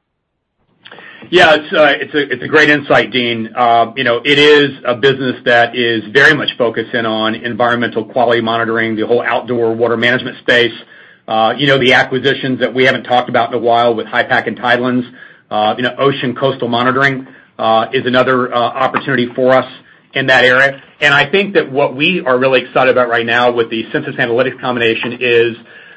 Yeah. It's a great insight, Deane. It is a business that is very much focused in on environmental quality monitoring, the whole outdoor water management space. The acquisitions that we haven't talked about in a while with HYPACK and Tidelands. Ocean coastal monitoring is another opportunity for us in that area. I think that what we are really excited about right now with the Sensus Analytics combination is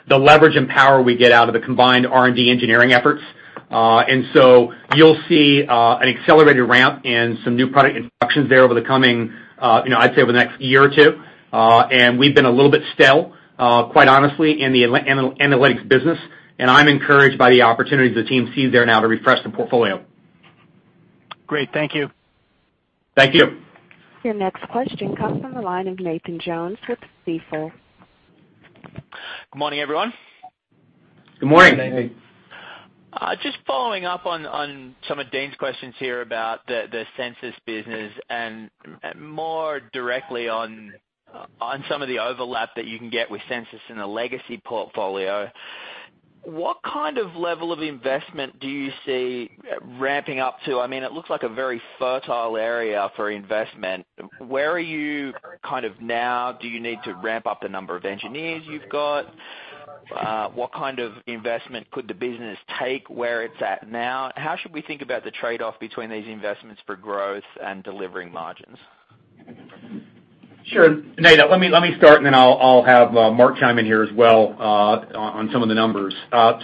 the leverage and power we get out of the combined R&D engineering efforts. You'll see an accelerated ramp and some new product introductions there over the coming, I'd say over the next one or two. We've been a little bit stale, quite honestly, in the Analytics business. I'm encouraged by the opportunities the team sees there now to refresh the portfolio. Great. Thank you. Thank you. Your next question comes from the line of Nathan Jones with Stifel. Good morning, everyone. Good morning. Good morning. Just following up on some of Deane's questions here about the Sensus business and more directly on some of the overlap that you can get with Sensus in the legacy portfolio. What kind of level of investment do you see ramping up to? It looks like a very fertile area for investment. Where are you now? Do you need to ramp up the number of engineers you've got? What kind of investment could the business take where it's at now? How should we think about the trade-off between these investments for growth and delivering margins? Sure. Nate, let me start, and then I'll have Mark chime in here as well on some of the numbers. At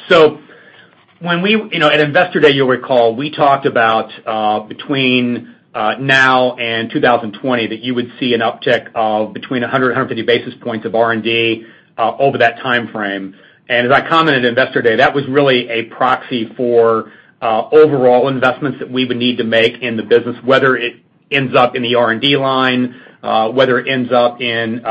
Investor Day, you'll recall, we talked about between now and 2020, that you would see an uptick of between 100-150 basis points of R&D over that timeframe. As I commented at Investor Day, that was really a proxy for overall investments that we would need to make in the business, whether it ends up in the R&D line, whether it ends up in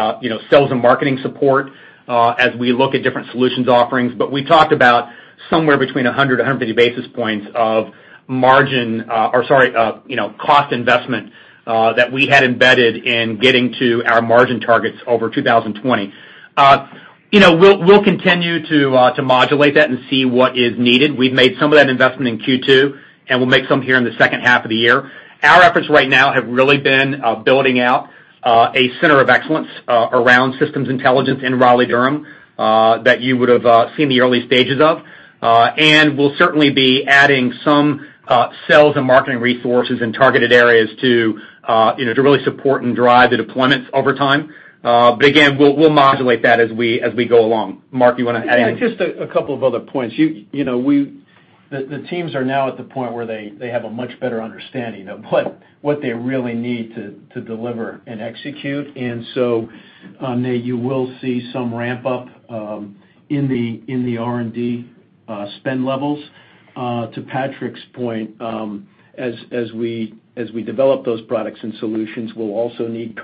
sales and marketing support as we look at different solutions offerings. We talked about somewhere between 100-150 basis points of cost investment that we had embedded in getting to our margin targets over 2020. We'll continue to modulate that and see what is needed. We've made some of that investment in Q2, and we'll make some here in the second half of the year. Our efforts right now have really been building out a center of excellence around systems intelligence in Raleigh-Durham, that you would've seen the early stages of. We'll certainly be adding some sales and marketing resources in targeted areas to really support and drive the deployments over time. Again, we'll modulate that as we go along. Mark, you want to add anything? Just a couple of other points. The teams are now at the point where they have a much better understanding of what they really need to deliver and execute. Nate, you will see some ramp-up in the R&D spend levels. To Patrick's point, as we develop those products and solutions, we'll also need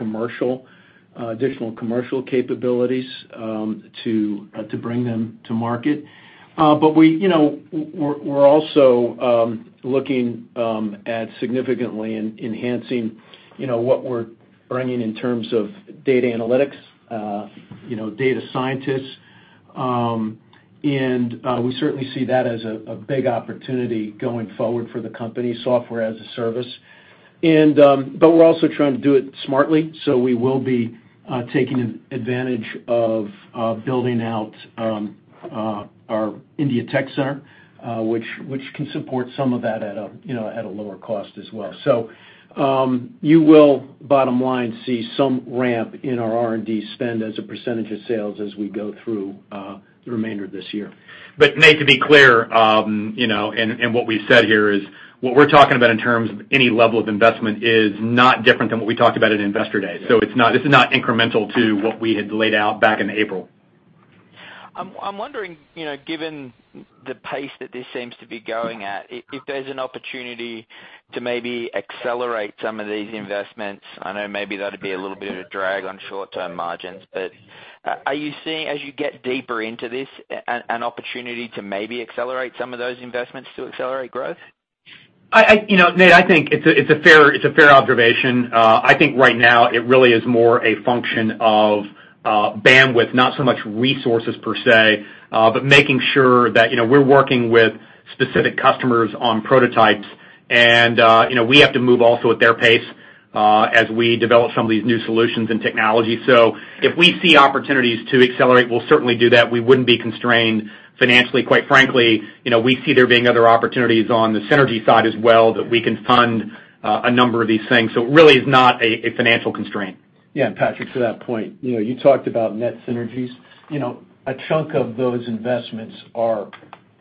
additional commercial capabilities to bring them to market. We're also looking at significantly enhancing what we're bringing in terms of data analytics, data scientists. We certainly see that as a big opportunity going forward for the company, software as a service. We're also trying to do it smartly, so we will be taking advantage of building out our India tech center, which can support some of that at a lower cost as well. You will, bottom line, see some ramp in our R&D spend as a percentage of sales as we go through the remainder of this year. Nate, to be clear, and what we've said here is, what we're talking about in terms of any level of investment is not different than what we talked about at Investor Day. This is not incremental to what we had laid out back in April. I'm wondering, given the pace that this seems to be going at, if there's an opportunity to maybe accelerate some of these investments. I know maybe that'd be a little bit of a drag on short-term margins. Are you seeing, as you get deeper into this, an opportunity to maybe accelerate some of those investments to accelerate growth? Nate, I think it's a fair observation. I think right now it really is more a function of bandwidth, not so much resources per se, but making sure that we're working with specific customers on prototypes and we have to move also at their pace as we develop some of these new solutions and technology. If we see opportunities to accelerate, we'll certainly do that. We wouldn't be constrained financially. Quite frankly, we see there being other opportunities on the synergy side as well that we can fund a number of these things. It really is not a financial constraint. Yeah, Patrick, to that point, you talked about net synergies. A chunk of those investments are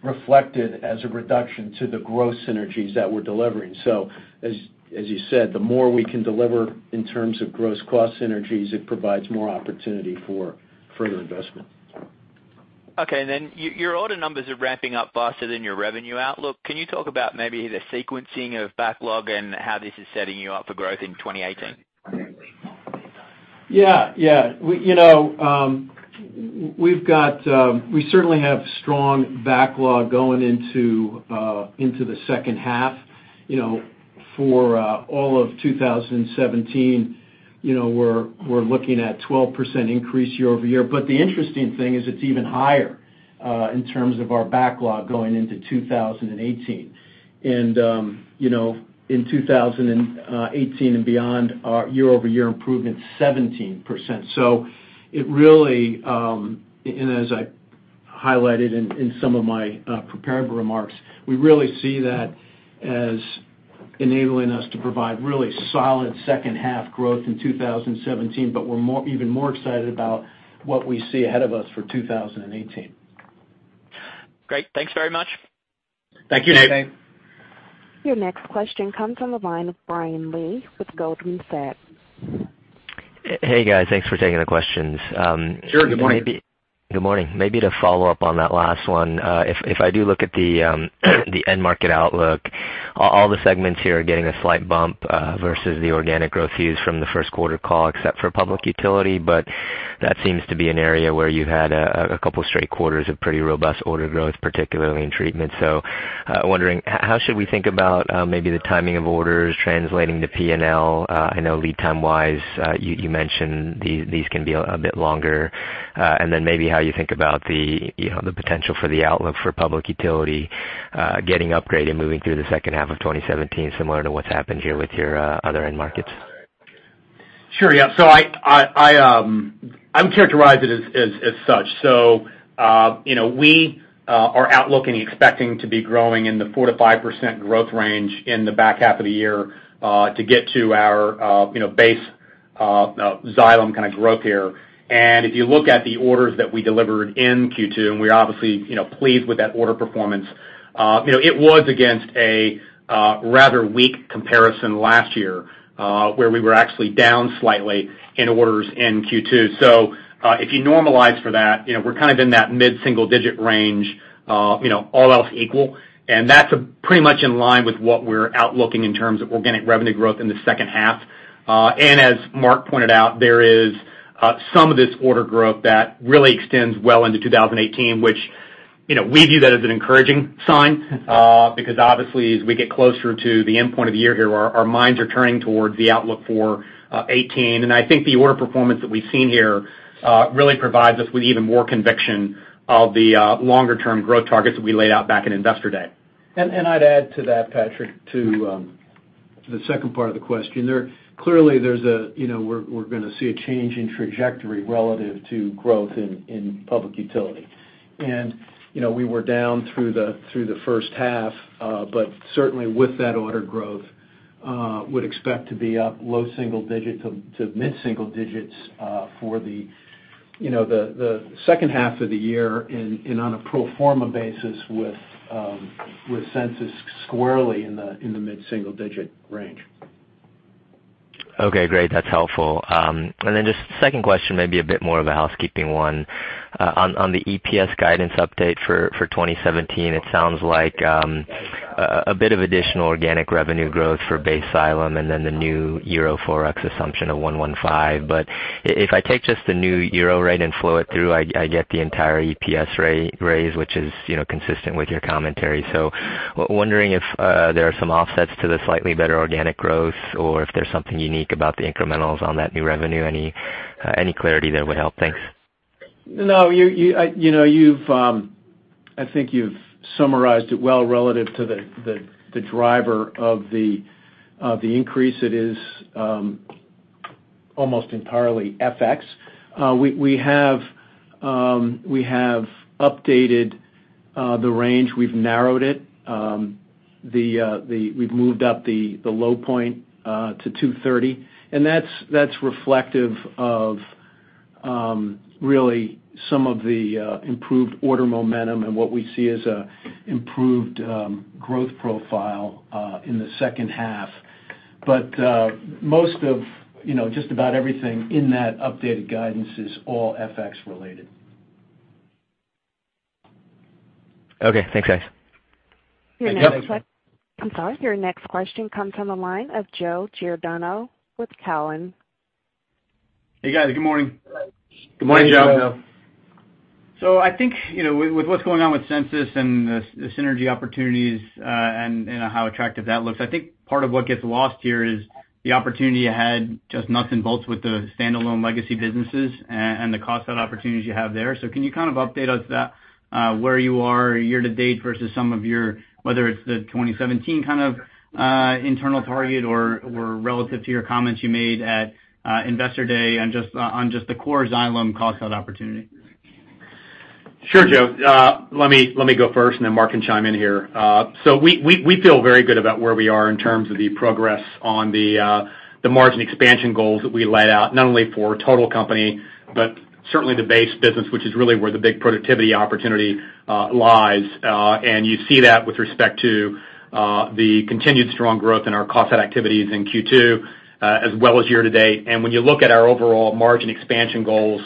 reflected as a reduction to the growth synergies that we're delivering. As you said, the more we can deliver in terms of gross cost synergies, it provides more opportunity for further investment. Okay, your order numbers are ramping up faster than your revenue outlook. Can you talk about maybe the sequencing of backlog and how this is setting you up for growth in 2018? Yeah. We certainly have strong backlog going into the second half. For all of 2017, we're looking at 12% increase year-over-year. The interesting thing is it's even higher in terms of our backlog going into 2018. In 2018 and beyond, our year-over-year improvement's 17%. As I highlighted in some of my prepared remarks, we really see that as enabling us to provide really solid second half growth in 2017, but we're even more excited about what we see ahead of us for 2018. Great. Thanks very much. Thank you. Thanks. Your next question comes from the line of Brian Lee with Goldman Sachs. Hey, guys. Thanks for taking the questions. Sure. Good morning. Good morning. Maybe to follow up on that last one. If I do look at the end market outlook, all the segments here are getting a slight bump versus the organic growth views from the first quarter call, except for public utility, but that seems to be an area where you had 2 straight quarters of pretty robust order growth, particularly in treatment. Wondering, how should we think about maybe the timing of orders translating to P&L? I know lead time-wise, you mentioned these can be a bit longer. Maybe how you think about the potential for the outlook for public utility getting upgraded moving through the second half of 2017, similar to what's happened here with your other end markets. Sure. Yeah. I'd characterize it as such. We are outlook and expecting to be growing in the 4%-5% growth range in the back half of the year to get to our base Xylem kind of growth here. If you look at the orders that we delivered in Q2, and we're obviously pleased with that order performance, it was against a rather weak comparison last year, where we were actually down slightly in orders in Q2. If you normalize for that, we're kind of in that mid-single digit range, all else equal. That's pretty much in line with what we're outlooking in terms of organic revenue growth in the second half. As Mark pointed out, there is some of this order growth that really extends well into 2018, which we view that as an encouraging sign, because obviously as we get closer to the end point of the year here, our minds are turning towards the outlook for 2018. I think the order performance that we've seen here really provides us with even more conviction of the longer-term growth targets that we laid out back in Investor Day. I'd add to that, Patrick, to the second part of the question. Clearly, we're going to see a change in trajectory relative to growth in public utility. We were down through the first half, but certainly with that order growth, would expect to be up low single digits to mid-single digits for the second half of the year and on a pro forma basis with Sensus squarely in the mid-single digit range. Okay, great. That's helpful. Then just second question, maybe a bit more of a housekeeping one. On the EPS guidance update for 2017, it sounds like a bit of additional organic revenue growth for base Xylem and then the new EUR ForEx assumption of 1.15. If I take just the new EUR rate and flow it through, I get the entire EPS raise, which is consistent with your commentary. Wondering if there are some offsets to the slightly better organic growth or if there's something unique about the incrementals on that new revenue. Any clarity there would help. Thanks. No. I think you've summarized it well relative to the driver of the increase. It is almost entirely FX. We have updated the range. We've narrowed it. We've moved up the low point to 2.30, and that's reflective of really some of the improved order momentum and what we see as an improved growth profile in the second half. Most of just about everything in that updated guidance is all FX related. Okay, thanks, guys. Thanks. Yep. I'm sorry. Your next question comes from the line of Joseph Giordano with Cowen. Hey, guys. Good morning. Good morning, Joe. I think, with what's going on with Sensus and the synergy opportunities, and how attractive that looks, I think part of what gets lost here is the opportunity ahead, just nuts and bolts with the standalone legacy businesses and the cost-cut opportunities you have there. Can you update us that where you are year-to-date versus some of your, whether it's the 2017 internal target or relative to your comments you made at Investor Day on just the core Xylem cost-cut opportunity? Sure, Joe. Let me go first, then Mark can chime in here. We feel very good about where we are in terms of the progress on the margin expansion goals that we laid out, not only for total company, but certainly the base business, which is really where the big productivity opportunity lies. You see that with respect to the continued strong growth in our cost-cut activities in Q2, as well as year-to-date. When you look at our overall margin expansion goals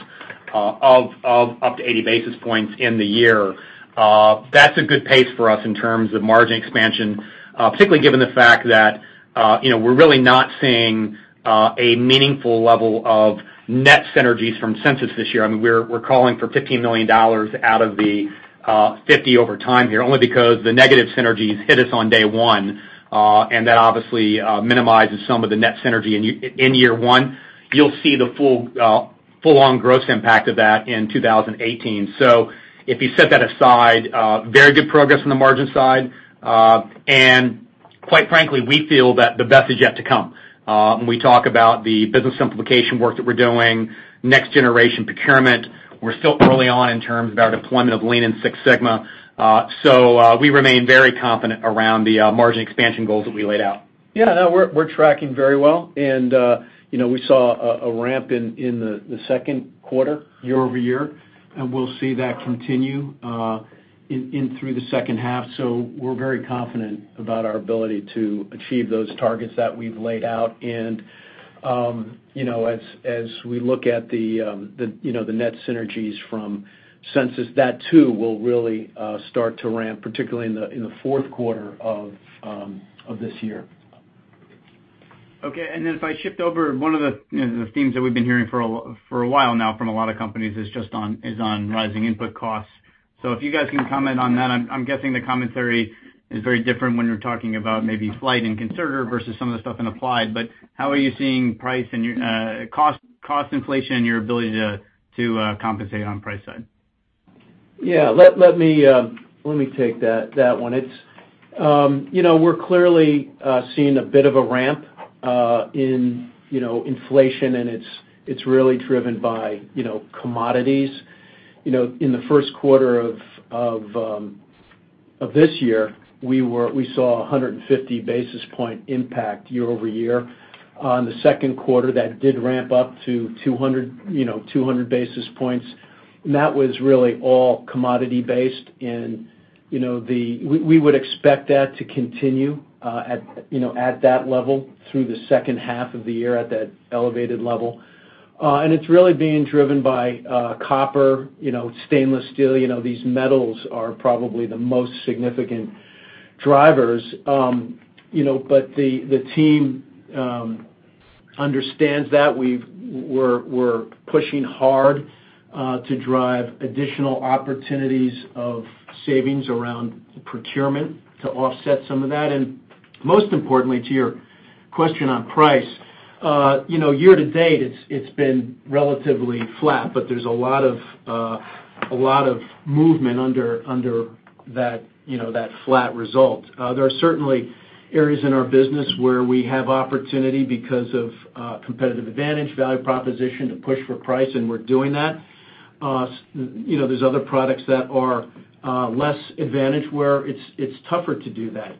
of up to 80 basis points in the year, that's a good pace for us in terms of margin expansion, particularly given the fact that we're really not seeing a meaningful level of net synergies from Sensus this year. We're calling for $15 million out of the $50 million over time here, only because the negative synergies hit us on day one. That obviously minimizes some of the net synergy in year one. You'll see the full-on gross impact of that in 2018. If you set that aside, very good progress on the margin side. Quite frankly, we feel that the best is yet to come. When we talk about the business simplification work that we're doing, next generation procurement, we're still early on in terms of our deployment of Lean and Six Sigma. We remain very confident around the margin expansion goals that we laid out. Yeah, no, we're tracking very well. We saw a ramp in the second quarter year-over-year, and we'll see that continue in through the second half. We're very confident about our ability to achieve those targets that we've laid out. As we look at the net synergies from Sensus, that too will really start to ramp, particularly in the fourth quarter of this year. Okay, if I shift over one of the themes that we've been hearing for a while now from a lot of companies is on rising input costs. If you guys can comment on that, I'm guessing the commentary is very different when you're talking about maybe Flygt and Sensus versus some of the stuff in Applied. How are you seeing price and cost inflation and your ability to compensate on price side? Yeah, let me take that one. We're clearly seeing a bit of a ramp in inflation. It's really driven by commodities. In the first quarter of this year, we saw 150 basis point impact year-over-year. On the second quarter, that did ramp up to 200 basis points. That was really all commodity based. We would expect that to continue at that level through the second half of the year at that elevated level. It's really being driven by copper, stainless steel. These metals are probably the most significant drivers. The team understands that. We're pushing hard to drive additional opportunities of savings around procurement to offset some of that. Most importantly, to your question on price, year-to-date it's been relatively flat, but there's a lot of movement under that flat result. There are certainly areas in our business where we have opportunity because of competitive advantage, value proposition to push for price. We're doing that. There's other products that are less advantage where it's tougher to do that.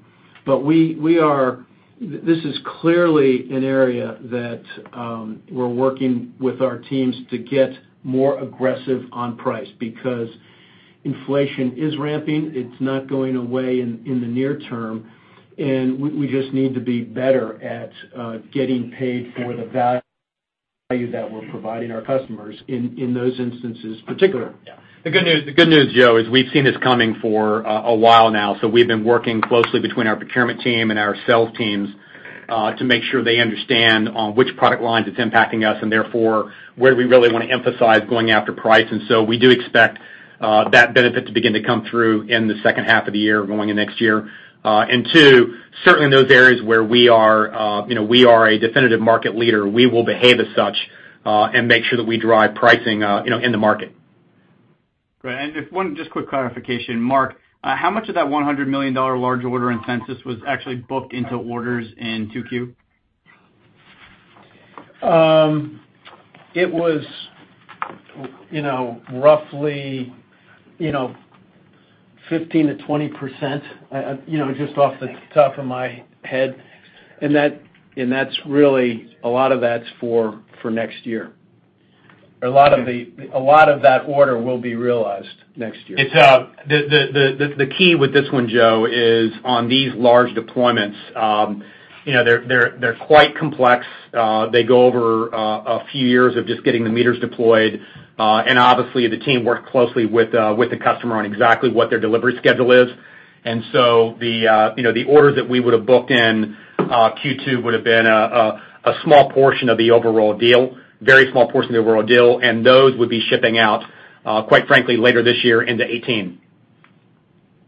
This is clearly an area that we're working with our teams to get more aggressive on price because inflation is ramping. It's not going away in the near term. We just need to be better at getting paid for the value that we're providing our customers in those instances particular. Yeah. The good news, Joe, is we've seen this coming for a while now. We've been working closely between our procurement team and our sales teams to make sure they understand on which product lines it's impacting us, where we really want to emphasize going after price. We do expect that benefit to begin to come through in the second half of the year going into next year. Two, certainly in those areas where we are a definitive market leader, we will behave as such, and make sure that we drive pricing in the market. Great. If one just quick clarification, Mark, how much of that $100 million large order in Sensus was actually booked into orders in 2Q? It was roughly 15%-20%, just off the top of my head. A lot of that's for next year. A lot of that order will be realized next year. The key with this one, Joe, is on these large deployments. They're quite complex. They go over a few years of just getting the meters deployed. Obviously, the team worked closely with the customer on exactly what their delivery schedule is. The orders that we would have booked in Q2 would have been a small portion of the overall deal, very small portion of the overall deal, and those would be shipping out, quite frankly, later this year into 2018.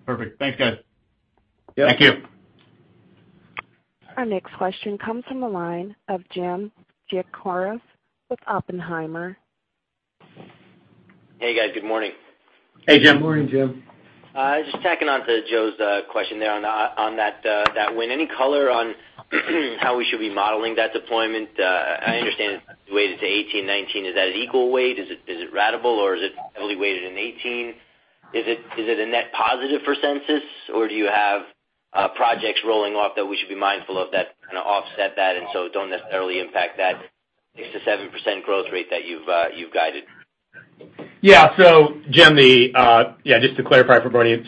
Perfect. Thanks, guys. Yep. Thank you. Our next question comes from the line of Jim Gianfala with Oppenheimer. Hey, guys. Good morning. Hey, Jim. Good morning, Jim. Just tacking on to Joe's question there on that win. Any color on how we should be modeling that deployment? I understand it's weighted to 2018, 2019. Is that equal weight? Is it ratable or is it heavily weighted in 2018? Is it a net positive for Sensus or do you have projects rolling off that we should be mindful of that kind of offset that don't necessarily impact that 6%-7% growth rate that you've guided? Jim, just to clarify for everybody.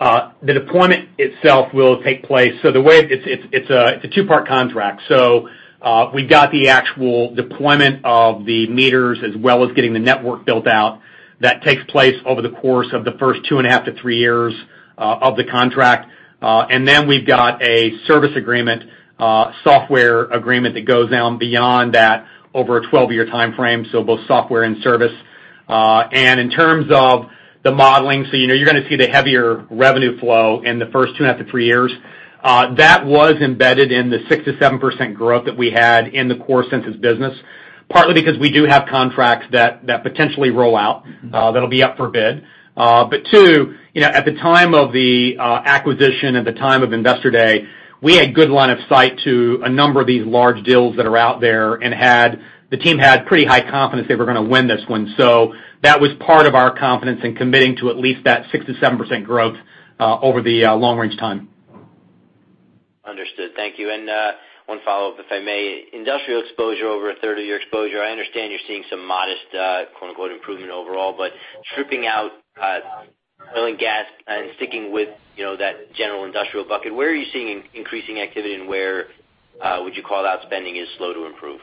The deployment itself will take place. The way it's a two-part contract. We've got the actual deployment of the meters as well as getting the network built out. That takes place over the course of the first two and a half to three years of the contract. Then we've got a service agreement, software agreement that goes out beyond that over a 12-year timeframe, both software and service. In terms of the modeling, you're going to see the heavier revenue flow in the first two and a half to three years. That was embedded in the 6%-7% growth that we had in the core Sensus business, partly because we do have contracts that potentially roll out that'll be up for bid. Two, at the time of the acquisition, at the time of Investor Day, we had good line of sight to a number of these large deals that are out there the team had pretty high confidence they were going to win this one. That was part of our confidence in committing to at least that 6%-7% growth over the long-range time. Understood. Thank you. One follow-up, if I may. Industrial exposure over a third of your exposure. I understand you're seeing some modest quote unquote "improvement" overall, but stripping out oil and gas and sticking with that general industrial bucket, where are you seeing increasing activity and where would you call out spending is slow to improve?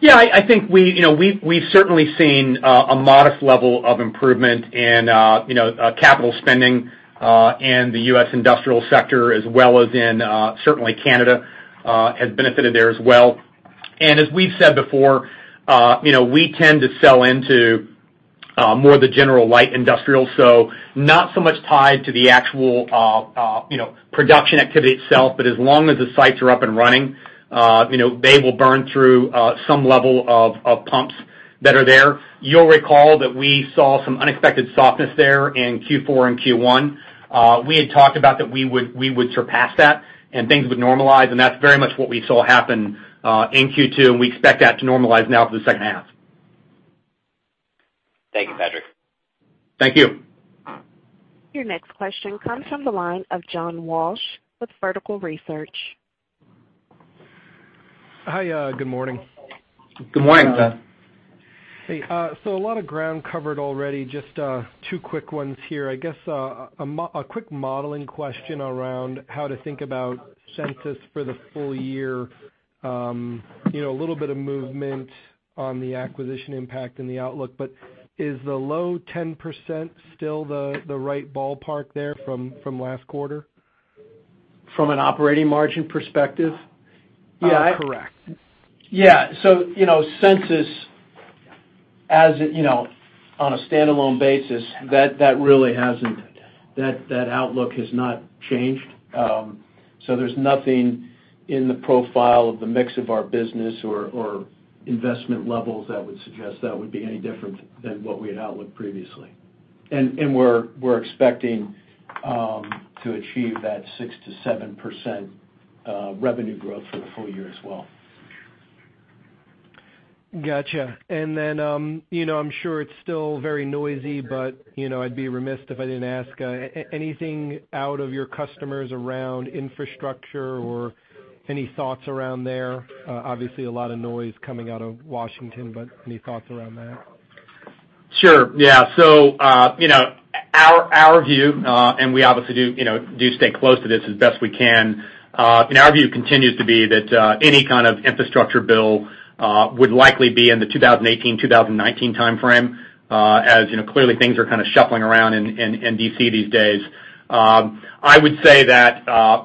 Yeah, I think we've certainly seen a modest level of improvement in capital spending in the U.S. industrial sector as well as in certainly Canada has benefited there as well. As we've said before, we tend to sell into more the general light industrial, so not so much tied to the actual production activity itself, but as long as the sites are up and running, they will burn through some level of pumps that are there. You'll recall that we saw some unexpected softness there in Q4 and Q1. We had talked about that we would surpass that and things would normalize and that's very much what we saw happen in Q2 and we expect that to normalize now for the second half. Thank you, Patrick. Thank you. Your next question comes from the line of John Walsh with Vertical Research. Hi. Good morning. Good morning. Good morning. Hey, a lot of ground covered already. Just two quick ones here. I guess a quick modeling question around how to think about Sensus for the full year. A little bit of movement on the acquisition impact and the outlook, is the low 10% still the right ballpark there from last quarter? From an operating margin perspective? Correct. Yeah. Sensus on a standalone basis, that outlook has not changed. There's nothing in the profile of the mix of our business or investment levels that would suggest that would be any different than what we had outlook previously. We're expecting to achieve that 6%-7% revenue growth for the full year as well. Got you. Then I'm sure it's still very noisy, I'd be remiss if I didn't ask, anything out of your customers around infrastructure or any thoughts around there? Obviously a lot of noise coming out of Washington, any thoughts around that? Sure. Yeah. Our view, we obviously do stay close to this as best we can, our view continues to be that any kind of infrastructure bill would likely be in the 2018-2019 timeframe as clearly things are kind of shuffling around in D.C. these days. I would say that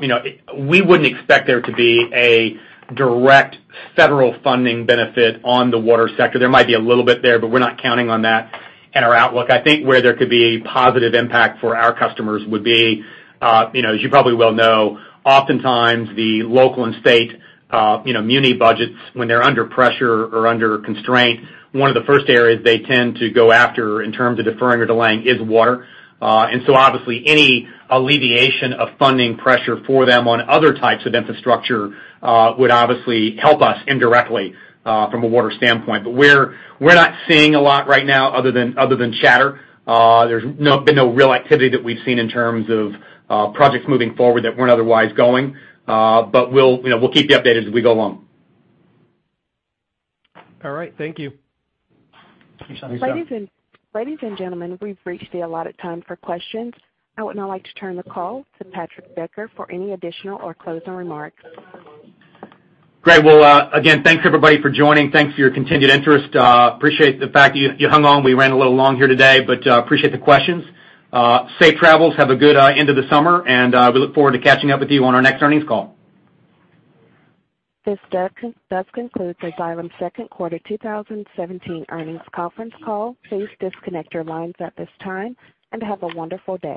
we wouldn't expect there to be a direct federal funding benefit on the water sector. There might be a little bit there, we're not counting on that in our outlook. I think where there could be a positive impact for our customers would be, as you probably well know, oftentimes the local and state muni budgets, when they're under pressure or under constraint, one of the first areas they tend to go after in terms of deferring or delaying is water. Obviously any alleviation of funding pressure for them on other types of infrastructure would obviously help us indirectly from a water standpoint. We are not seeing a lot right now other than chatter. There has been no real activity that we have seen in terms of projects moving forward that were not otherwise going. We will keep you updated as we go along. All right. Thank you. Thanks, John. Ladies and gentlemen, we have reached the allotted time for questions. I would now like to turn the call to Patrick Decker for any additional or closing remarks. Great. Well, again, thanks everybody for joining. Thanks for your continued interest. Appreciate the fact you hung on. We ran a little long here today, but appreciate the questions. Safe travels. Have a good end of the summer and we look forward to catching up with you on our next earnings call. This does conclude Xylem's second quarter 2017 earnings conference call. Please disconnect your lines at this time and have a wonderful day.